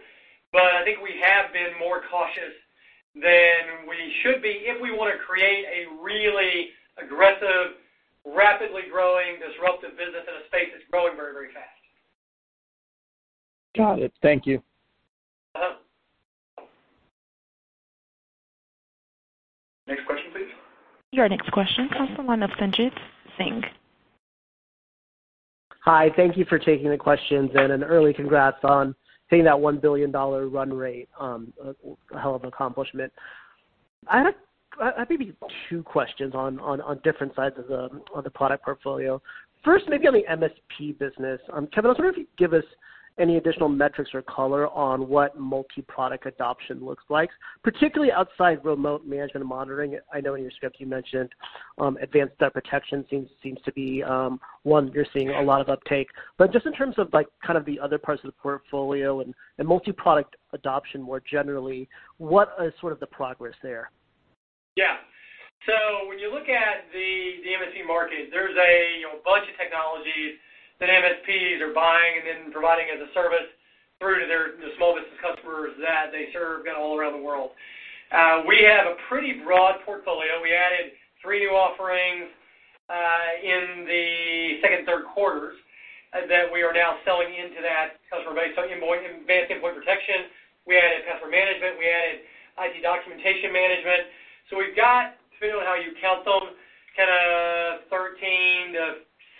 I think we have been more cautious than we should be if we want to create a really aggressive, rapidly growing, disruptive business in a space that's growing very, very fast. Got it. Thank you. Next question, please. Your next question comes from the line of Sanjit Singh. Hi. Thank you for taking the questions, and an early congrats on hitting that $1 billion run rate. A hell of an accomplishment. I have maybe two questions on different sides of the product portfolio. First, maybe on the MSP business. Kevin, I was wondering if you could give us any additional metrics or color on what multi-product adoption looks like, particularly outside remote management and monitoring. I know in your script you mentioned advanced threat protection seems to be one that you're seeing a lot of uptake. Just in terms of the other parts of the portfolio and multi-product adoption more generally, what is sort of the progress there? When you look at the MSP market, there's a bunch of technologies that MSPs are buying and then providing as a service through to their small business customers that they serve all around the world. We have a pretty broad portfolio. We added three new offerings in the second, third quarters that we are now selling into that customer base. Advanced endpoint protection, we added password management, we added IT documentation management. We've got, depending on how you count them, 13 to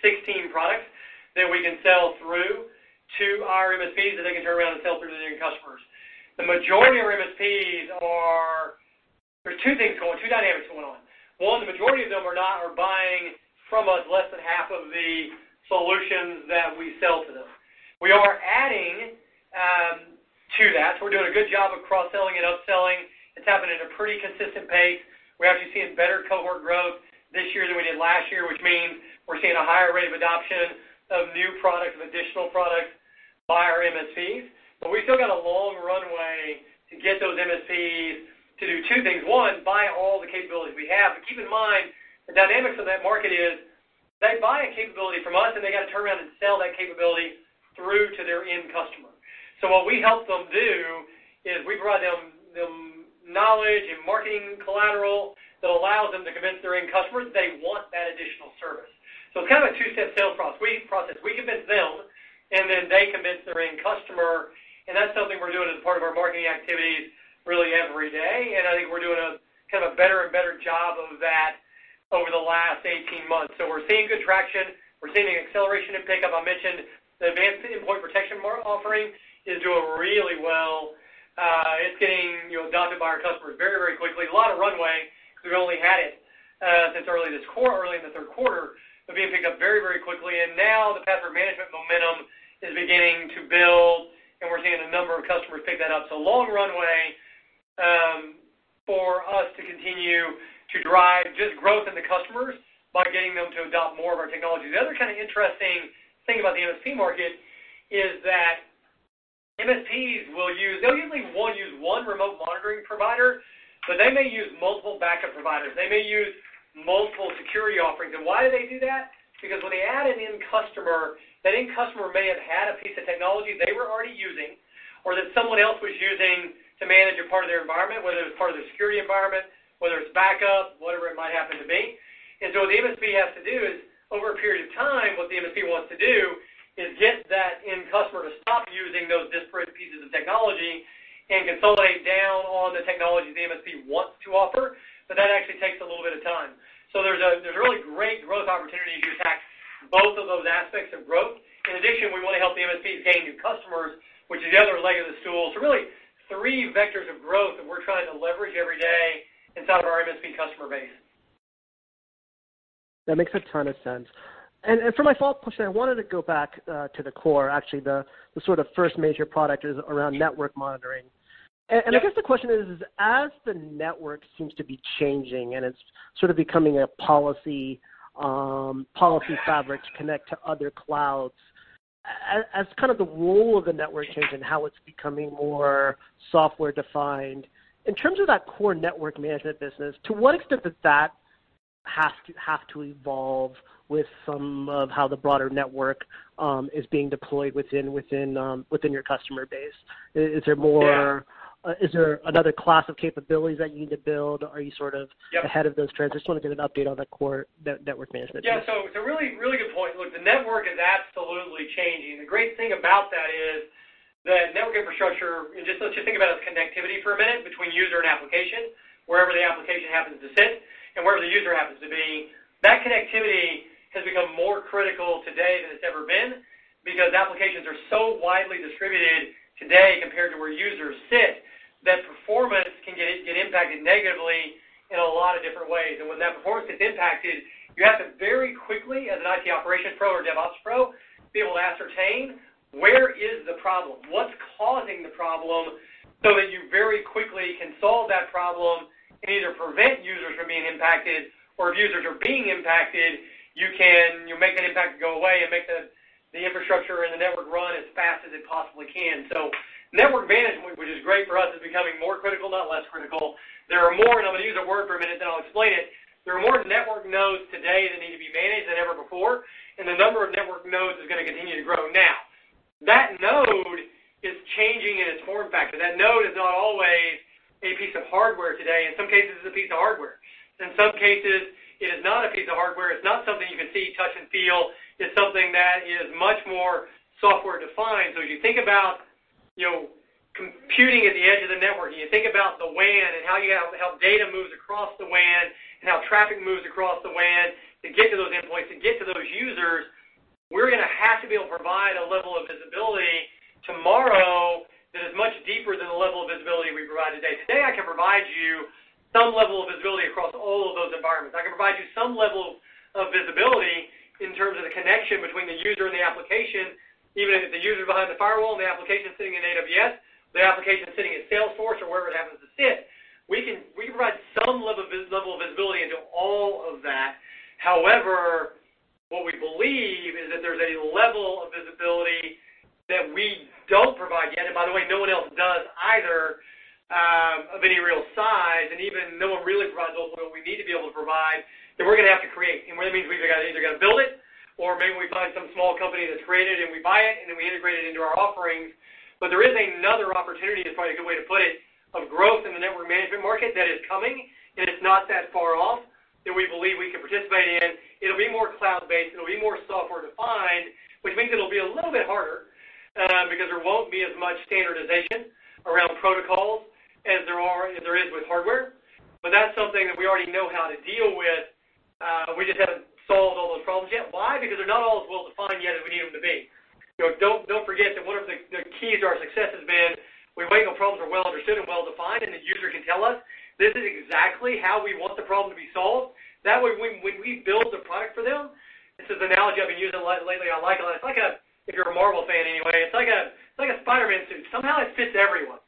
16 products that we can sell through to our MSPs that they can turn around and sell through to their end customers. There's two things going, two dynamics going on. One, the majority of them are buying from us less than half of the solutions that we sell to them. We are adding to that. We're doing a good job of cross-selling and upselling. It's happening at a pretty consistent pace. We're actually seeing better cohort growth this year than we did last year, which means we're seeing a higher rate of adoption of new products and additional products by our MSPs. We've still got a long runway to get those MSPs to do two things. One, buy all the capabilities we have. Keep in mind, the dynamics of that market is they buy a capability from us, and they got to turn around and sell that capability through to their end customer. What we help them do is we provide them knowledge and marketing collateral that allows them to convince their end customers they want that additional service. It's kind of a two-step sales process. We convince them, and then they convince their end customer, and that's something we're doing as part of our marketing activities really every day, and I think we're doing a better and better job of that over the last 18 months. We're seeing good traction. We're seeing acceleration and pickup. I mentioned the advanced endpoint protection offering is doing really well. It's getting adopted by our customers very quickly. A lot of runway because we've only had it since early in the third quarter, but being picked up very quickly. Now the password management momentum is beginning to build, and we're seeing a number of customers pick that up. Long runway for us to continue to drive just growth in the customers by getting them to adopt more of our technology. The other interesting thing about the MSP market is that MSPs will usually use one remote monitoring provider, but they may use multiple backup providers. They may use multiple security offerings. Why do they do that? Because when they add an end customer, that end customer may have had a piece of technology they were already using or that someone else was using to manage a part of their environment, whether it was part of their security environment, whether it's backup, whatever it might happen to be. What the MSP has to do is, over a period of time, what the MSP wants to do is get that end customer to stop using those disparate pieces of technology and consolidate down on the technologies the MSP wants to offer, but that actually takes a little bit of time. There's a really great growth opportunity to attack both of those aspects of growth. In addition, we want to help the MSPs gain new customers, which is the other leg of the stool. Really three vectors of growth that we're trying to leverage every day inside of our MSP customer base. That makes a ton of sense. For my follow-up question, I wanted to go back to the core, actually, the sort of first major product is around network monitoring. Yeah. I guess the question is, as the network seems to be changing, and it's sort of becoming a policy fabric to connect to other clouds. As kind of the role of the network changes and how it's becoming more software-defined, in terms of that core network management business, to what extent does that have to evolve with some of how the broader network is being deployed within your customer base? Yeah. Is there another class of capabilities that you need to build? Yeah ahead of those trends? I just want to get an update on the core network management piece. Yeah. It's a really good point. Look, the network is absolutely changing. The great thing about that is that network infrastructure, and just let's just think about its connectivity for a minute between user and application, wherever the application happens to sit and wherever the user happens to be. That connectivity has become more critical today than it's ever been because applications are so widely distributed today compared to where users sit, that performance can get impacted negatively in a lot of different ways. When that performance gets impacted, you have to very quickly, as an IT operations pro or DevOps pro, be able to ascertain where is the problem? What's causing the problem so that you very quickly can solve that problem and either prevent users from being impacted, or if users are being impacted, you make that impact go away and make the infrastructure and the network run as fast as it possibly can. Network management, which is great for us, is becoming more critical, not less critical. There are more, and I'm going to use that word for a minute, then I'll explain it. There are more network nodes today that need to be managed than ever before, and the number of network nodes is going to continue to grow. That node is changing in its form factor. That node is not always a piece of hardware today. In some cases, it's a piece of hardware. In some cases, it is not a piece of hardware. It's not something you can see, touch, and feel. It's something that is much more software-defined. As you think about computing at the edge of the network, and you think about the WAN and how data moves across the WAN and how traffic moves across the WAN to get to those endpoints, to get to those users, we're going to have to be able to provide a level of visibility tomorrow that is much deeper than the level of visibility we provide today. Today, I can provide you some level of visibility across all of those environments. I can provide you some level of visibility in terms of the connection between the user and the application, even if the user is behind the firewall and the application's sitting in AWS, the application's sitting in Salesforce or wherever it happens to sit. We can provide some level of visibility into all of that. However, what we believe is that there's a level of visibility that we don't provide yet, and by the way, no one else does either of any real size, and even no one really provides the level we need to be able to provide, that we're going to have to create. What that means we either got to build it, or maybe we find some small company that's created, and we buy it, and then we integrate it into our offerings. There is another opportunity, is probably a good way to put it, of growth in the network management market that is coming, and it's not that far off. We believe we can participate in. It'll be more cloud-based, it'll be more software-defined, which means it'll be a little bit harder because there won't be as much standardization around protocols as there is with hardware. That's something that we already know how to deal with. We just haven't solved all those problems yet. Why? Because they're not all as well-defined yet as we need them to be. Don't forget that one of the keys to our success has been we wait until problems are well understood and well defined, and the user can tell us, "This is exactly how we want the problem to be solved." That way, when we build the product for them. This is an analogy I've been using a lot lately. I like it a lot. If you're a Marvel fan anyway, it's like a Spider-Man suit. Somehow it fits everyone.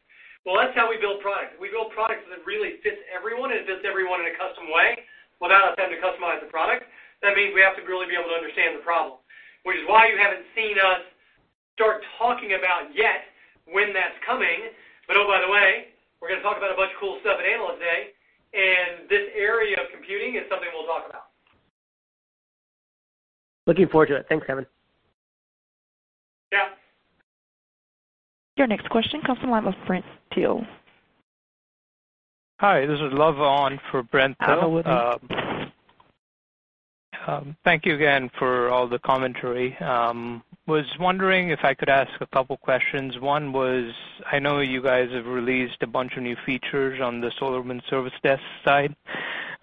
Well, that's how we build products. We build products that really fit everyone and it fits everyone in a custom way without us having to customize the product. That means we have to really be able to understand the problem, which is why you haven't seen us start talking about yet when that's coming. Oh, by the way, we're going to talk about a bunch of cool stuff at Analyst Day, and this area of computing is something we'll talk about. Looking forward to it. Thanks, Kevin. Yeah. Your next question comes from line of Brent Thill. Hi, this is Luvonne for Brent Thill. Hello. Thank you again for all the commentary. I was wondering if I could ask a couple questions. One was, I know you guys have released a bunch of new features on the SolarWinds Service Desk side.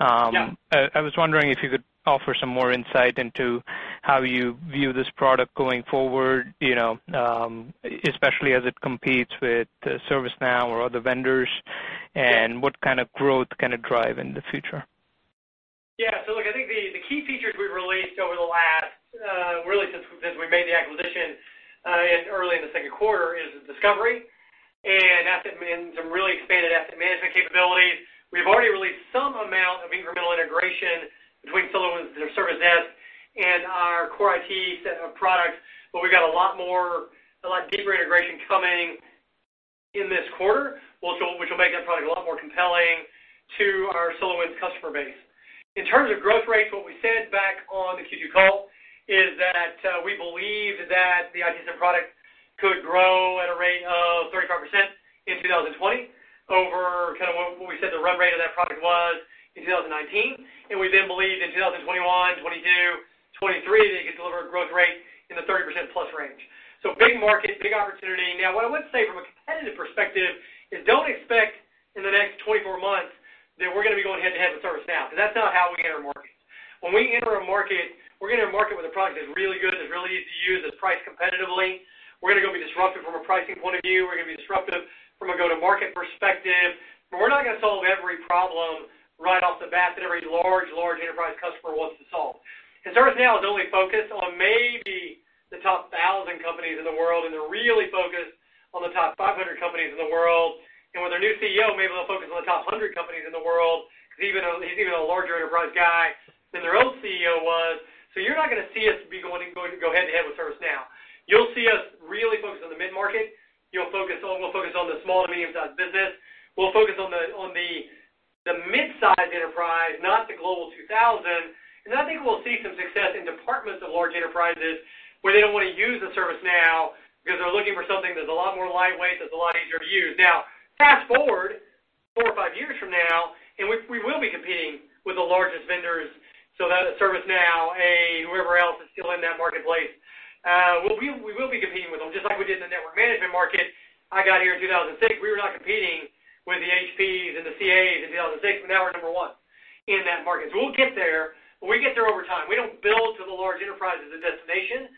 Yeah. I was wondering if you could offer some more insight into how you view this product going forward, especially as it competes with ServiceNow or other vendors, and what kind of growth can it drive in the future? Look, I think the key features we've released over the last, really since we've made the acquisition early in the second quarter is discovery and some really expanded asset management capabilities. We've already released some amount of incremental integration between SolarWinds, their Service Desk, and our core IT set of products. We've got a lot more, a lot deeper integration coming in this quarter, which will make that product a lot more compelling to our SolarWinds customer base. In terms of growth rates, what we said back on the Q2 call is that we believe that the ITSM product could grow at a rate of 35% in 2020 over kind of what we said the run rate of that product was in 2019. We then believe in 2021, '22, '23, that it could deliver a growth rate in the 30% plus range. Big market, big opportunity. What I would say from a competitive perspective is don't expect in the next 24 months that we're going to be going head to head with ServiceNow, that's not how we enter a market. When we enter a market, we're going to enter a market with a product that's really good, that's really easy to use, that's priced competitively. We're going to go be disruptive from a pricing point of view. We're going to be disruptive from a go-to-market perspective. We're not going to solve every problem right off the bat that every large enterprise customer wants to solve. ServiceNow is only focused on maybe the top 1,000 companies in the world, and they're really focused on the top 500 companies in the world. With their new CEO, maybe they'll focus on the top 100 companies in the world, because he's an even a larger enterprise guy than their old CEO was. You're not going to see us go head to head with ServiceNow. You'll see us really focus on the mid-market. We'll focus on the small to medium-sized business. We'll focus on the mid-size enterprise, not the Global 2000. I think we'll see some success in departments of large enterprises where they don't want to use the ServiceNow because they're looking for something that's a lot more lightweight, that's a lot easier to use. Now, fast-forward four or five years from now, we will be competing with the largest vendors, so that ServiceNow, whoever else is still in that marketplace. We will be competing with them just like we did in the network management market. I got here in 2006. We were not competing with the HPs and the CAs in 2006, now we're number one in that market. We'll get there, we get there over time. We don't build to the large enterprise as a destination.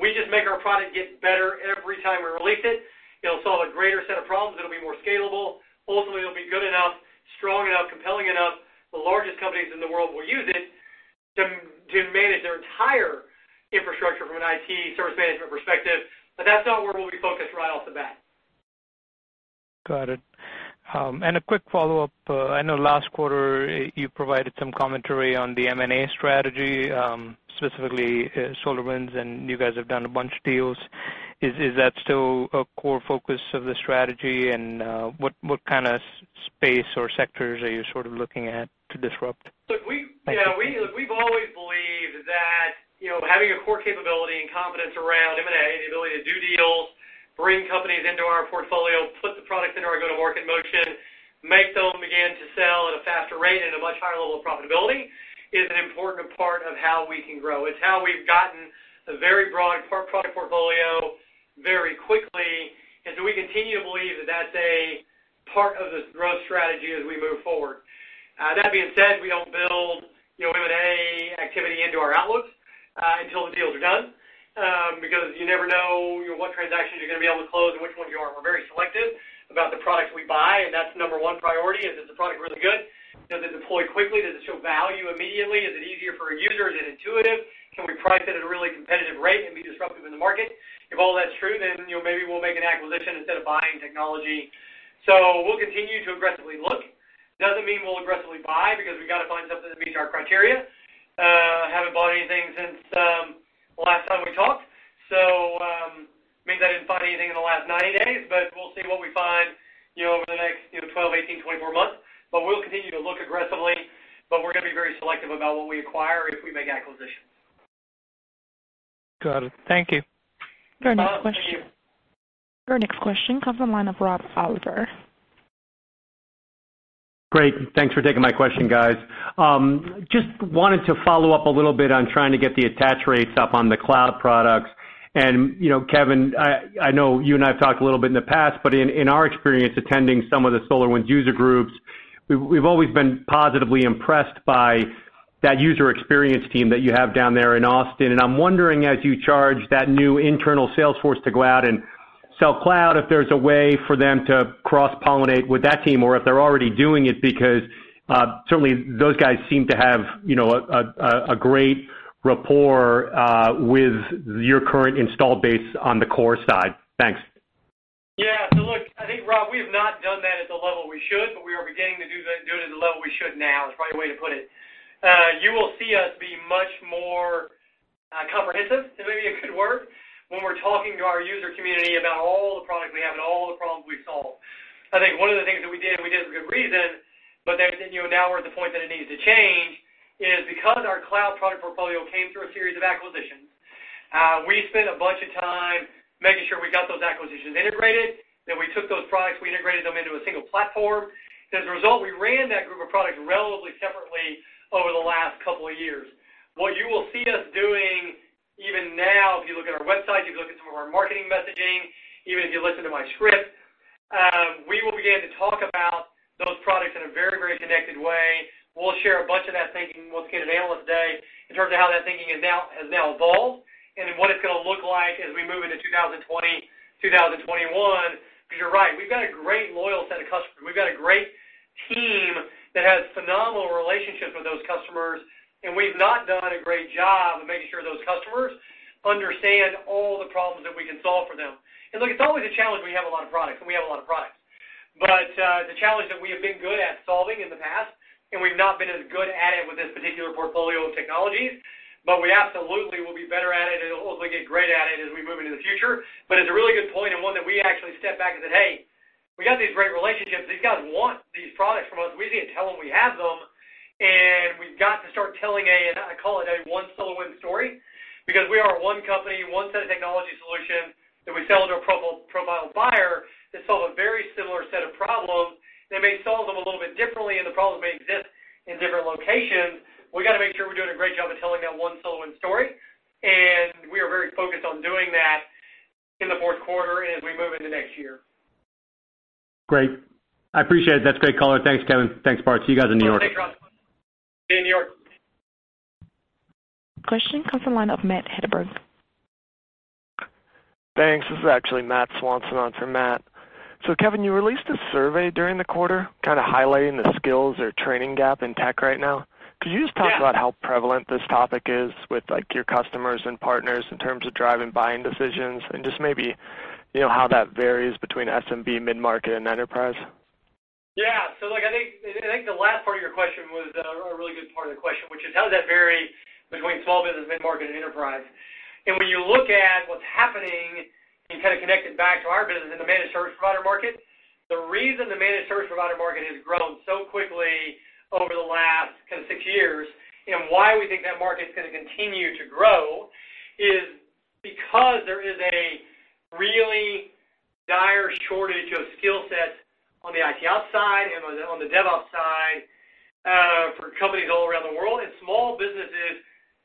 We just make our product get better every time we release it. It'll solve a greater set of problems. It'll be more scalable. Ultimately, it'll be good enough, strong enough, compelling enough, the largest companies in the world will use it to manage their entire infrastructure from an IT Service Management perspective. That's not where we'll be focused right off the bat. Got it. A quick follow-up. I know last quarter you provided some commentary on the M&A strategy, specifically SolarWinds, and you guys have done a bunch of deals. Is that still a core focus of the strategy? What kind of space or sectors are you sort of looking at to disrupt? Look, we've always believed that having a core capability and competence around M&A and the ability to do deals, bring companies into our portfolio, put the products into our go-to-market motion, make those begin to sell at a faster rate and a much higher level of profitability, is an important part of how we can grow. It's how we've gotten a very broad product portfolio very quickly. We continue to believe that that's a part of the growth strategy as we move forward. That being said, we don't build M&A activity into our outlooks until the deals are done because you never know what transactions you're going to be able to close and which ones you aren't. We're very selective about the products we buy, and that's the number one priority. Is the product really good? Does it deploy quickly? Does it show value immediately? Is it easier for a user? Is it intuitive? Can we price it at a really competitive rate and be disruptive in the market? If all that's true, then maybe we'll make an acquisition instead of buying technology. We'll continue to aggressively look. Doesn't mean we'll aggressively buy because we've got to find something that meets our criteria. Haven't bought anything since the last time we talked. Means I didn't buy anything in the last 90 days, but we'll see what we find over the next 12, 18, 24 months. We'll continue to look aggressively, but we're going to be very selective about what we acquire if we make acquisitions. Got it. Thank you. Thank you. Our next question comes from the line of Rob Oliver. Great. Thanks for taking my question, guys. Just wanted to follow up a little bit on trying to get the attach rates up on the cloud products. Kevin, I know you and I have talked a little bit in the past, but in our experience attending some of the SolarWinds user groups, we've always been positively impressed by that user experience team that you have down there in Austin, and I'm wondering, as you charge that new internal sales force to go out and sell cloud, if there's a way for them to cross-pollinate with that team or if they're already doing it because, certainly those guys seem to have a great rapport with your current install base on the core side. Thanks. Yeah. Look, I think, Rob, we have not done that at the level we should, but we are beginning to do it at the level we should now. That's probably the way to put it. You will see us be much more comprehensive, maybe a good word, when we're talking to our user community about all the products we have and all the problems we solve. I think one of the things that we did, and we did it for good reason, but then now we're at the point that it needs to change, is because our cloud product portfolio came through a series of acquisitions. We spent a bunch of time making sure we got those acquisitions integrated. We took those products, we integrated them into a single platform. As a result, we ran that group of products relatively separately over the last couple of years. What you will see us doing even now, if you look at our website, if you look at some of our marketing messaging, even if you listen to my script, we will begin to talk about those products in a very, very connected way. We'll share a bunch of that thinking once we get to Analyst Day in terms of how that thinking has now evolved and what it's going to look like as we move into 2020, 2021. You're right, we've got a great loyal set of customers. We've got a great team that has phenomenal relationships with those customers, we've not done a great job of making sure those customers understand all the problems that we can solve for them. Look, it's always a challenge when you have a lot of products, and we have a lot of products. The challenge that we have been good at solving in the past, and we've not been as good at it with this particular portfolio of technologies, but we absolutely will be better at it and hopefully get great at it as we move into the future. It's a really good point and one that we actually stepped back and said, "Hey, we got these great relationships. These guys want these products from us. We just need to tell them we have them, and we've got to start telling." I call it a One SolarWinds story because we are one company, one set of technology solution that we sell to a profile buyer that solve a very similar set of problems. They may solve them a little bit differently, and the problem may exist in different locations. We got to make sure we're doing a great job of telling that One SolarWinds story. We are very focused on doing that in the fourth quarter and as we move into next year. Great. I appreciate it. That's great color. Thanks, Kevin. Thanks, Bart. See you guys in New York. Okay, Rob. See you in New York. Question comes from the line of Matt Hedberg. Thanks. This is actually Matt Swanson on for Matt. Kevin, you released a survey during the quarter kind of highlighting the skills or training gap in tech right now. Yeah. Could you just talk about how prevalent this topic is with your customers and partners in terms of driving buying decisions and just maybe how that varies between SMB, mid-market, and enterprise? Yeah. Look, I think the last part of your question was a really good part of the question, which is how does that vary between small business, mid-market, and enterprise? When you look at what's happening and kind of connect it back to our business in the managed service provider market, the reason the managed service provider market has grown so quickly over the last kind of six years, and why we think that market's going to continue to grow is because there is a really dire shortage of skill sets on the IT ops side and on the DevOps side for companies all around the world, and small businesses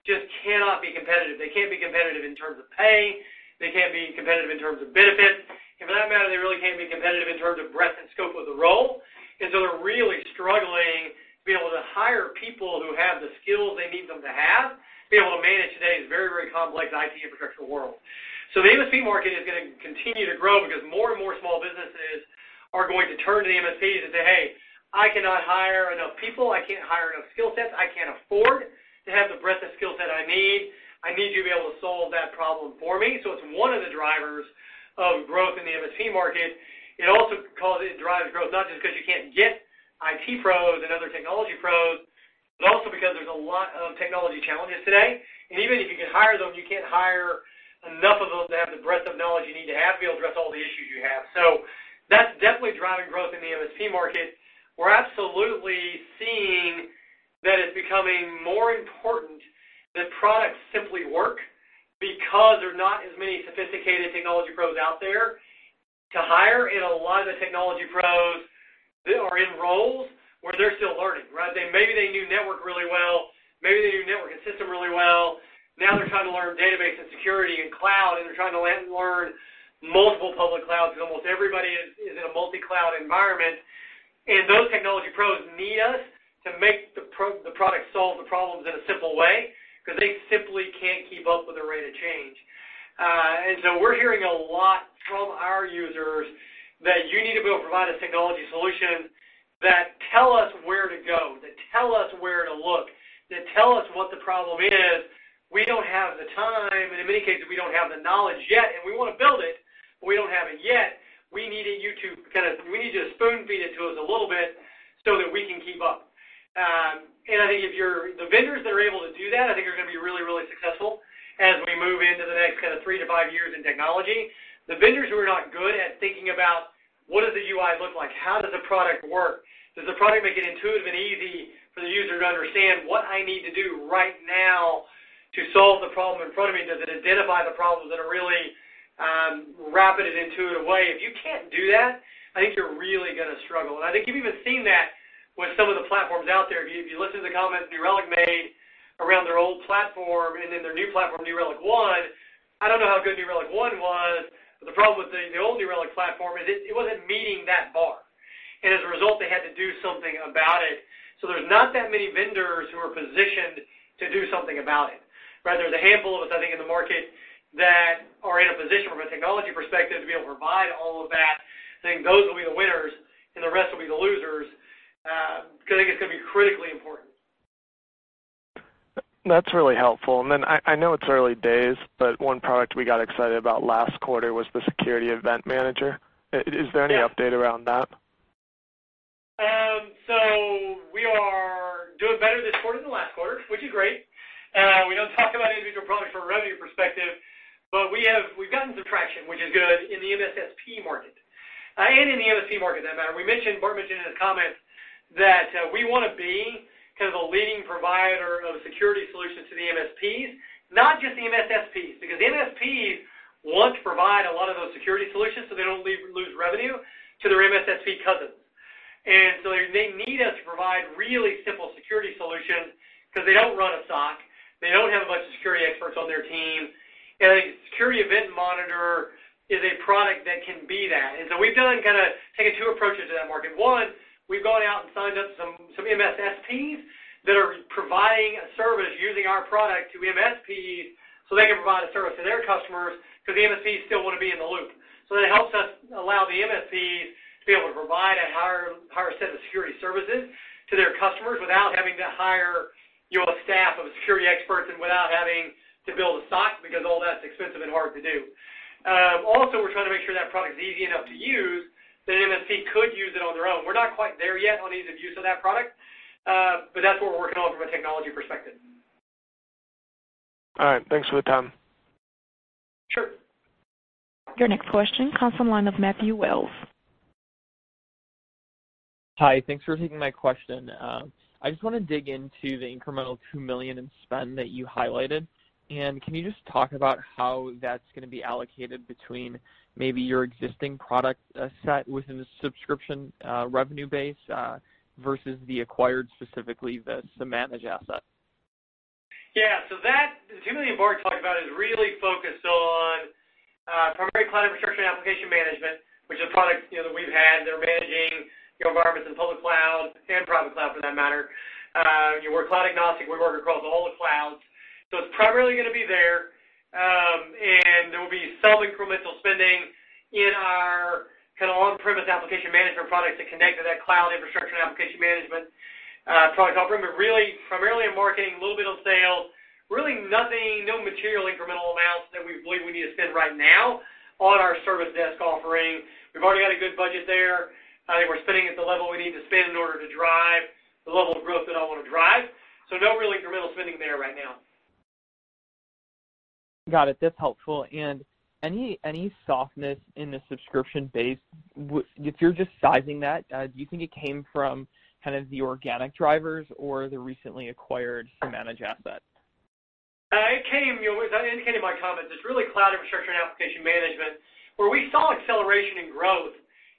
just cannot be competitive. They can't be competitive in terms of pay. They can't be competitive in terms of benefits. For that matter, they really can't be competitive in terms of breadth and scope of the role. They're really struggling to be able to hire people who have the skills they need them to have to be able to manage today's very, very complex IT infrastructure world. The MSP market is going to continue to grow because more and more small businesses are going to turn to the MSPs and say, "Hey, I cannot hire enough people. I can't hire enough skill sets. I can't afford to have the breadth of skill set I need. I need you to be able to solve that problem for me." It's one of the drivers of growth in the MSP market. It also drives growth, not just because you can't get IT pros and other technology pros, but also because there's a lot of technology challenges today. Even if you can hire them, you can't hire enough of them to have the breadth of knowledge you need to have to be able to address all the issues you have. That's definitely driving growth in the MSP market. We're absolutely seeing that it's becoming more important that products simply work because there's not as many sophisticated technology pros out there to hire, and a lot of the technology pros are in roles where they're still learning, right? Maybe they knew network really well, maybe they knew network and system really well. Now they're trying to learn database and security and cloud, and they're trying to learn multiple public clouds because almost everybody is in a multi-cloud environment. Those technology pros need us to make the product solve the problems in a simple way because they simply can't keep up with the rate of change. We're hearing a lot from our users that you need to be able to provide a technology solution that tell us where to go, that tell us where to look, that tell us what the problem is. We don't have the time, and in many cases, we don't have the knowledge yet, and we want to build it, but we don't have it yet. We need you to kind of spoon-feed it to us a little bit so that we can keep up. I think the vendors that are able to do that, I think are going to be really, really successful as we move into the next kind of three to five years in technology. The vendors who are not good at thinking about. What does the UI look like? How does the product work? Does the product make it intuitive and easy for the user to understand what I need to do right now to solve the problem in front of me? Does it identify the problems in a really rapid and intuitive way? If you can't do that, I think you're really going to struggle. I think you've even seen that with some of the platforms out there. If you listen to the comments New Relic made around their old platform and then their new platform, New Relic One, I don't know how good New Relic One was, but the problem with the old New Relic platform is it wasn't meeting that bar. As a result, they had to do something about it. There's not that many vendors who are positioned to do something about it. There's a handful of us, I think, in the market that are in a position from a technology perspective to be able to provide all of that. I think those will be the winners, and the rest will be the losers. I think it's going to be critically important. That's really helpful. I know it's early days, but one product we got excited about last quarter was the Security Event Manager. Is there any update around that? We are doing better this quarter than last quarter, which is great. We don't talk about individual products from a revenue perspective, but we've gotten some traction, which is good, in the MSSP market and in the MSP market, for that matter. Bart mentioned in his comments that we want to be kind of a leading provider of security solutions to the MSPs, not just the MSSPs, because MSPs want to provide a lot of those security solutions so they don't lose revenue to their MSSP cousins. They need us to provide really simple security solutions because they don't run a SOC. They don't have a bunch of security experts on their team. A Security Event Manager is a product that can be that. We've done kind of taken two approaches to that market. We've gone out and signed up some MSSPs that are providing a service using our product to MSPs so they can provide a service to their customers because the MSPs still want to be in the loop. It helps us allow the MSPs to be able to provide a higher set of security services to their customers without having to hire a staff of security experts and without having to build a SOC because all that's expensive and hard to do. Also, we're trying to make sure that product is easy enough to use that an MSP could use it on their own. We're not quite there yet on ease of use of that product, but that's what we're working on from a technology perspective. All right. Thanks for the time. Sure. Your next question comes from the line of Matthew Wells. Hi. Thanks for taking my question. I just want to dig into the incremental $2 million in spend that you highlighted. Can you just talk about how that's going to be allocated between maybe your existing product set within the subscription revenue base versus the acquired, specifically the Samanage asset? Yeah. That, the $2 million Bart talked about is really focused on primary cloud infrastructure and application management, which is a product that we've had. They're managing your environments in public cloud and private cloud, for that matter. We're cloud agnostic. We work across all the clouds. It's primarily going to be there. There will be some incremental spending in our kind of on-premises application management product to connect to that cloud infrastructure and application management product offering. Really primarily in marketing, a little bit on sales, really nothing, no material incremental amounts that we believe we need to spend right now on our Service Desk offering. We've already got a good budget there. I think we're spending at the level we need to spend in order to drive the level of growth that I want to drive. No real incremental spending there right now. Got it. That's helpful. Any softness in the subscription base? If you're just sizing that, do you think it came from kind of the organic drivers or the recently acquired Samanage asset? It came, as I indicated in my comments, it's really cloud infrastructure and application management, where we saw acceleration in growth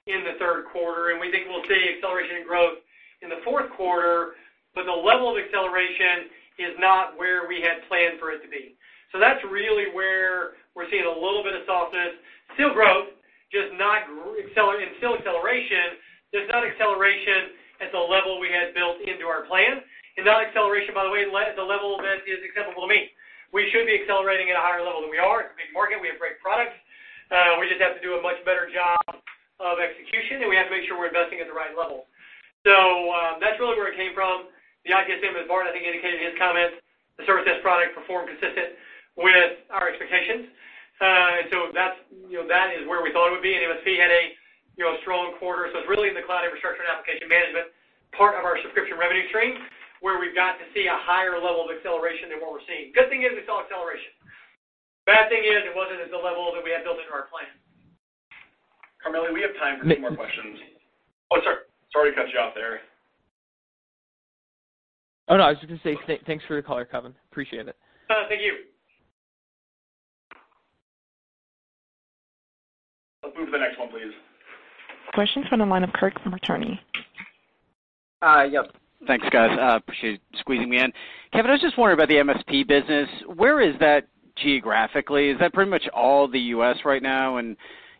in the third quarter, and we think we'll see acceleration in growth in the fourth quarter. The level of acceleration is not where we had planned for it to be. That's really where we're seeing a little bit of softness. Still growth, and still acceleration, just not acceleration at the level we had built into our plan. Not acceleration, by the way, at the level that is acceptable to me. We should be accelerating at a higher level than we are. It's a big market. We have great products. We just have to do a much better job of execution, and we have to make sure we're investing at the right level. That's really where it came from. The idea is same as Bart, I think, indicated in his comments. The services product performed consistent with our expectations. That is where we thought it would be. MSP had a strong quarter. It's really in the cloud infrastructure and application management part of our subscription revenue stream where we've got to see a higher level of acceleration than what we're seeing. Good thing is we saw acceleration. Bad thing is it wasn't at the level that we had built into our plan. Emily, we have time for two more questions. Oh, sorry to cut you off there. Oh, no, I was just going to say thanks for the color, Kevin. Appreciate it. Thank you. Let's move to the next one, please. Question from the line of Kirk Materne. Yep. Thanks, guys. Appreciate you squeezing me in. Kevin, I was just wondering about the MSP business. Where is that geographically? Is that pretty much all the U.S. right now?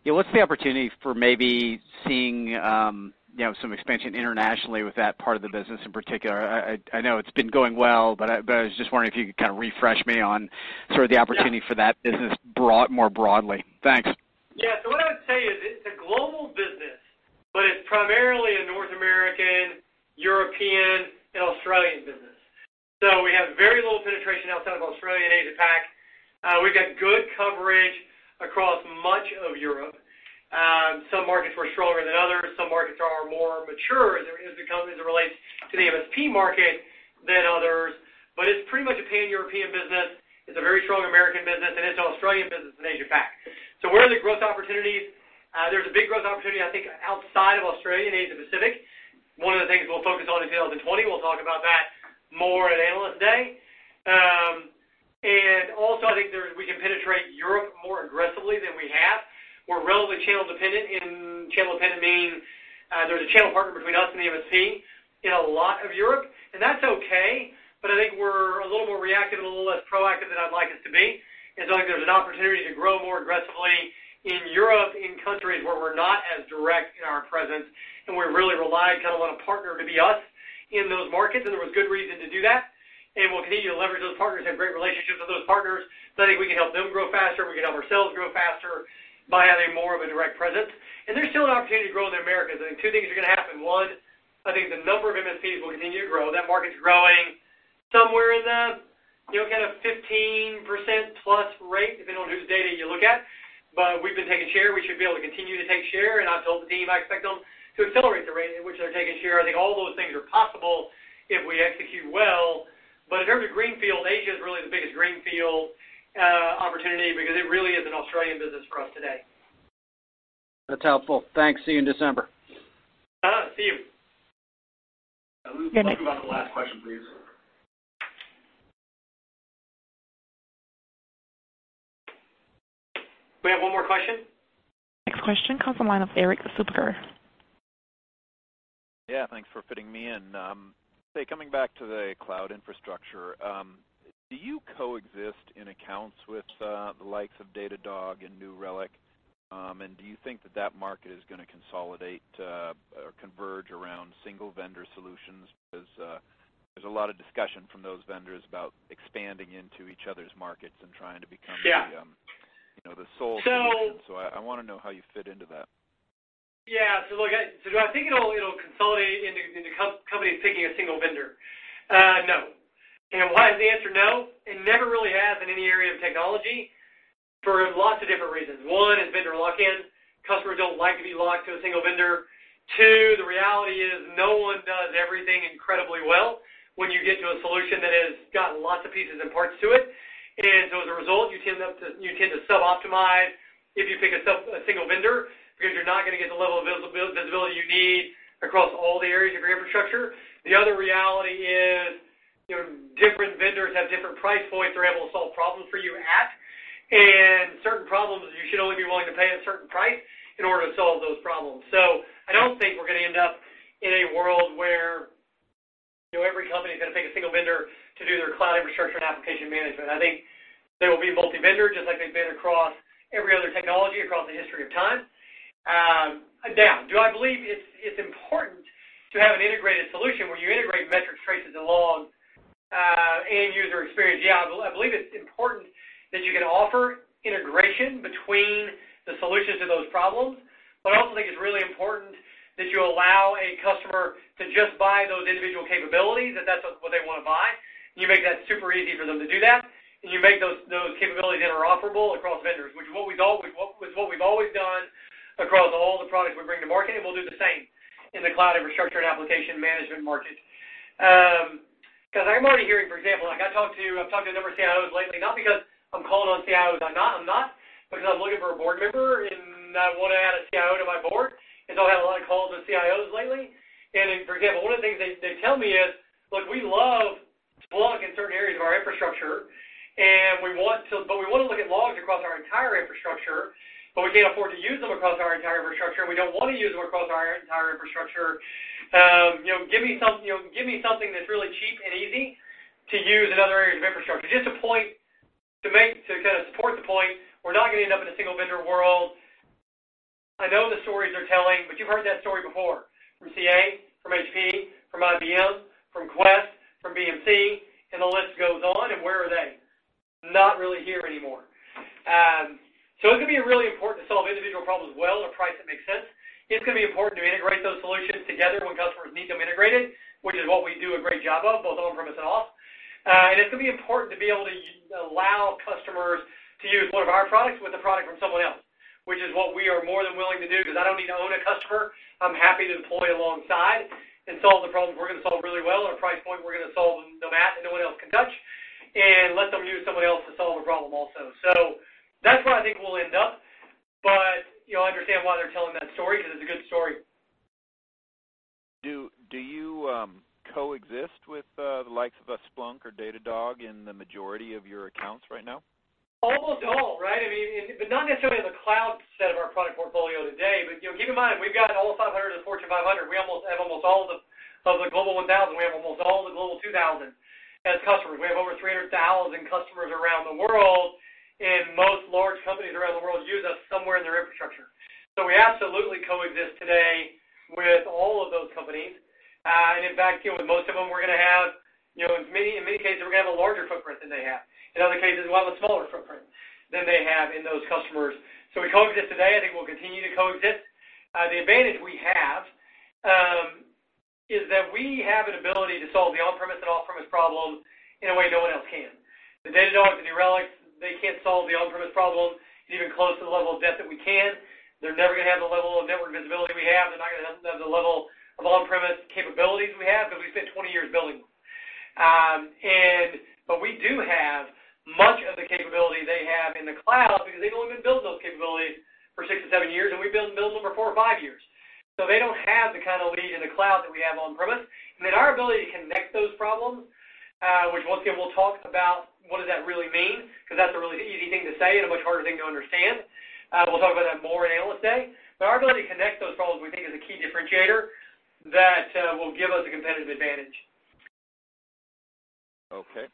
What's the opportunity for maybe seeing some expansion internationally with that part of the business in particular? I know it's been going well, I was just wondering if you could kind of refresh me on sort of the opportunity for that business more broadly. Thanks. What I would say is it's a global business, but it's primarily a North American, European, and Australian business. We have very little penetration outside of Australia and APAC. We've got good coverage across much of Europe. Some markets were stronger than others. Some markets are more mature as it relates to the MSP market than others. It's pretty much a pan-European business. It's a very strong American business, and it's an Australian business in Asia-Pac. Where are the growth opportunities? There's a big growth opportunity, I think, outside of Australia and Asia-Pacific. One of the things we'll focus on in 2020, we'll talk about that more at Analyst Day. Also, I think we can penetrate Europe more aggressively than we have. We're relatively channel-dependent. Channel-dependent meaning there's a channel partner between us and the MSP in a lot of Europe, and that's okay. I think we're a little more reactive and a little less proactive than I'd like us to be, and so I think there's an opportunity to grow more aggressively in Europe, in countries where we're not as direct in our presence, and we really rely on a partner to be us in those markets, and there was good reason to do that. We'll continue to leverage those partners, have great relationships with those partners. I think we can help them grow faster, we can help ourselves grow faster by having more of a direct presence. There's still an opportunity to grow in the Americas. I think two things are going to happen. One, I think the number of MSPs will continue to grow. That market's growing somewhere in the 15%-plus rate, depending on whose data you look at. We've been taking share. We should be able to continue to take share. I've told the team I expect them to accelerate the rate at which they're taking share. I think all those things are possible if we execute well. In terms of greenfield, Asia is really the biggest greenfield opportunity because it really is an Australian business for us today. That's helpful. Thanks. See you in December. All right. See you. Who's next? Let's go to the last question, please. We have one more question? Next question comes from the line of Eric Subr. Yeah. Thanks for fitting me in. Say, coming back to the cloud infrastructure, do you coexist in accounts with the likes of Datadog and New Relic? Do you think that that market is going to consolidate or converge around single-vendor solutions? There's a lot of discussion from those vendors about expanding into each other's markets and trying to become the. Yeah the sole solution. So- I want to know how you fit into that. Yeah. Look, do I think it'll consolidate into companies picking a single vendor? No. Why is the answer no? It never really has in any area of technology for lots of different reasons. One is vendor lock-in. Customers don't like to be locked to a single vendor. Two, the reality is no one does everything incredibly well when you get to a solution that has got lots of pieces and parts to it. As a result, you tend to sub-optimize if you pick a single vendor because you're not going to get the level of visibility you need across all the areas of your infrastructure. The other reality is different vendors have different price points they're able to solve problems for you at, and certain problems you should only be willing to pay a certain price in order to solve those problems. I don't think we're going to end up in a world where every company is going to pick a single vendor to do their cloud infrastructure and application management. I think they will be multi-vendor, just like they've been across every other technology across the history of time. Do I believe it's important to have an integrated solution where you integrate metrics, traces, and logs, and user experience? Yeah. I believe it's important that you can offer integration between the solutions to those problems. I also think it's really important that you allow a customer to just buy those individual capabilities, if that's what they want to buy. You make that super easy for them to do that, and you make those capabilities interoperable across vendors, which is what we've always done across all the products we bring to market, and we'll do the same in the cloud infrastructure and application management market. I'm already hearing, for example, I've talked to a number of CIOs lately, not because I'm calling on CIOs. I'm not. I'm looking for a board member, and I want to add a CIO to my board. I've had a lot of calls with CIOs lately. For example, one of the things they tell me is, "Look, we love Splunk in certain areas of our infrastructure, but we want to look at logs across our entire infrastructure, but we can't afford to use them across our entire infrastructure, and we don't want to use them across our entire infrastructure. Give me something that's really cheap and easy to use in other areas of infrastructure." Just to kind of support the point, we're not going to end up in a single-vendor world. You've heard that story before from CA, from HP, from IBM, from Quest, from BMC, and the list goes on. Where are they? Not really here anymore. It's going to be really important to solve individual problems well at a price that makes sense. It's going to be important to integrate those solutions together when customers need them integrated, which is what we do a great job of, both on-premise and off. It's going to be important to be able to allow customers to use one of our products with a product from someone else, which is what we are more than willing to do because I don't need to own a customer. I'm happy to deploy alongside and solve the problems we're going to solve really well at a price point we're going to solve that no one else can touch and let them use someone else to solve a problem also. That's where I think we'll end up, but I understand why they're telling that story because it's a good story. Do you coexist with the likes of a Splunk or Datadog in the majority of your accounts right now? Almost all, right? I mean, not necessarily in the cloud set of our product portfolio today. Keep in mind, we've got all 500 of the Fortune 500. We have almost all of the Global 1000. We have almost all of the Global 2000 as customers. We have over 300,000 customers around the world, most large companies around the world use us somewhere in their infrastructure. We absolutely coexist today with all of those companies. In fact, with most of them, we're going to have, in many cases, we're going to have a larger footprint than they have. In other cases, we'll have a smaller footprint than they have in those customers. We coexist today. I think we'll continue to coexist. The advantage we have is that we have an ability to solve the on-premise and off-premise problem in a way no one else can. The Datadog, the New Relic. They can't solve the on-premise problems even close to the level of depth that we can. They're never going to have the level of network visibility we have. They're not going to have the level of on-premise capabilities we have because we've spent 20 years building them. We do have much of the capability they have in the cloud because they've only been building those capabilities for six to seven years, and we've been building them for four or five years. They don't have the kind of lead in the cloud that we have on-premise. Our ability to connect those problems, which once again, we'll talk about what does that really mean, because that's a really easy thing to say and a much harder thing to understand. We'll talk about that more at Analyst Day. Our ability to connect those problems, we think, is a key differentiator that will give us a competitive advantage. Okay.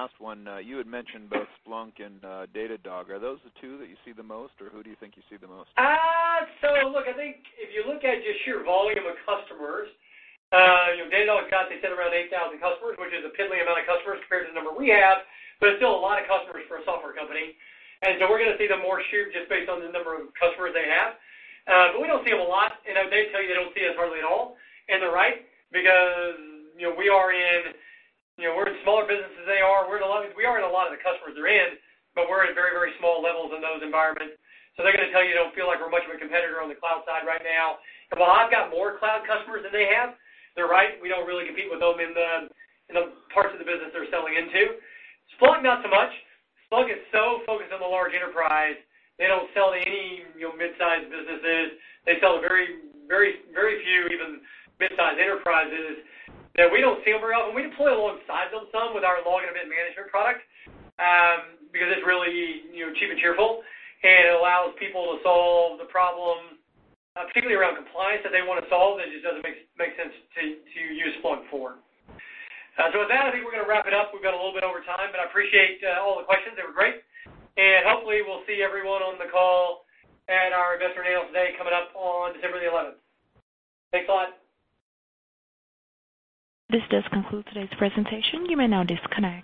Last one, you had mentioned both Splunk and Datadog. Are those the two that you see the most, or who do you think you see the most? Look, I think if you look at just sheer volume of customers, Datadog's got, they said, around 8,000 customers, which is a piddly amount of customers compared to the number we have, but it's still a lot of customers for a software company. We're going to see them more sheer just based on the number of customers they have. We don't see them a lot, and they tell you they don't see us hardly at all. They're right because we're in smaller businesses than they are. We are in a lot of the customers they're in, but we're at very small levels in those environments. They're going to tell you they don't feel like we're much of a competitor on the cloud side right now. While I've got more cloud customers than they have, they're right. We don't really compete with them in the parts of the business they're selling into. Splunk, not so much. Splunk is so focused on the large enterprise. They don't sell to any mid-sized businesses. They sell to very few even mid-sized enterprises that we don't see them very often. We deploy alongside them some with our log and event management product because it's really cheap and cheerful, and it allows people to solve the problem, particularly around compliance that they want to solve, that it just doesn't make sense to use Splunk for. With that, I think we're going to wrap it up. We've gone a little bit over time, but I appreciate all the questions. They were great. And hopefully, we'll see everyone on the call at our Investor Analyst Day coming up on December the 11th. Thanks a lot. This does conclude today's presentation. You may now disconnect.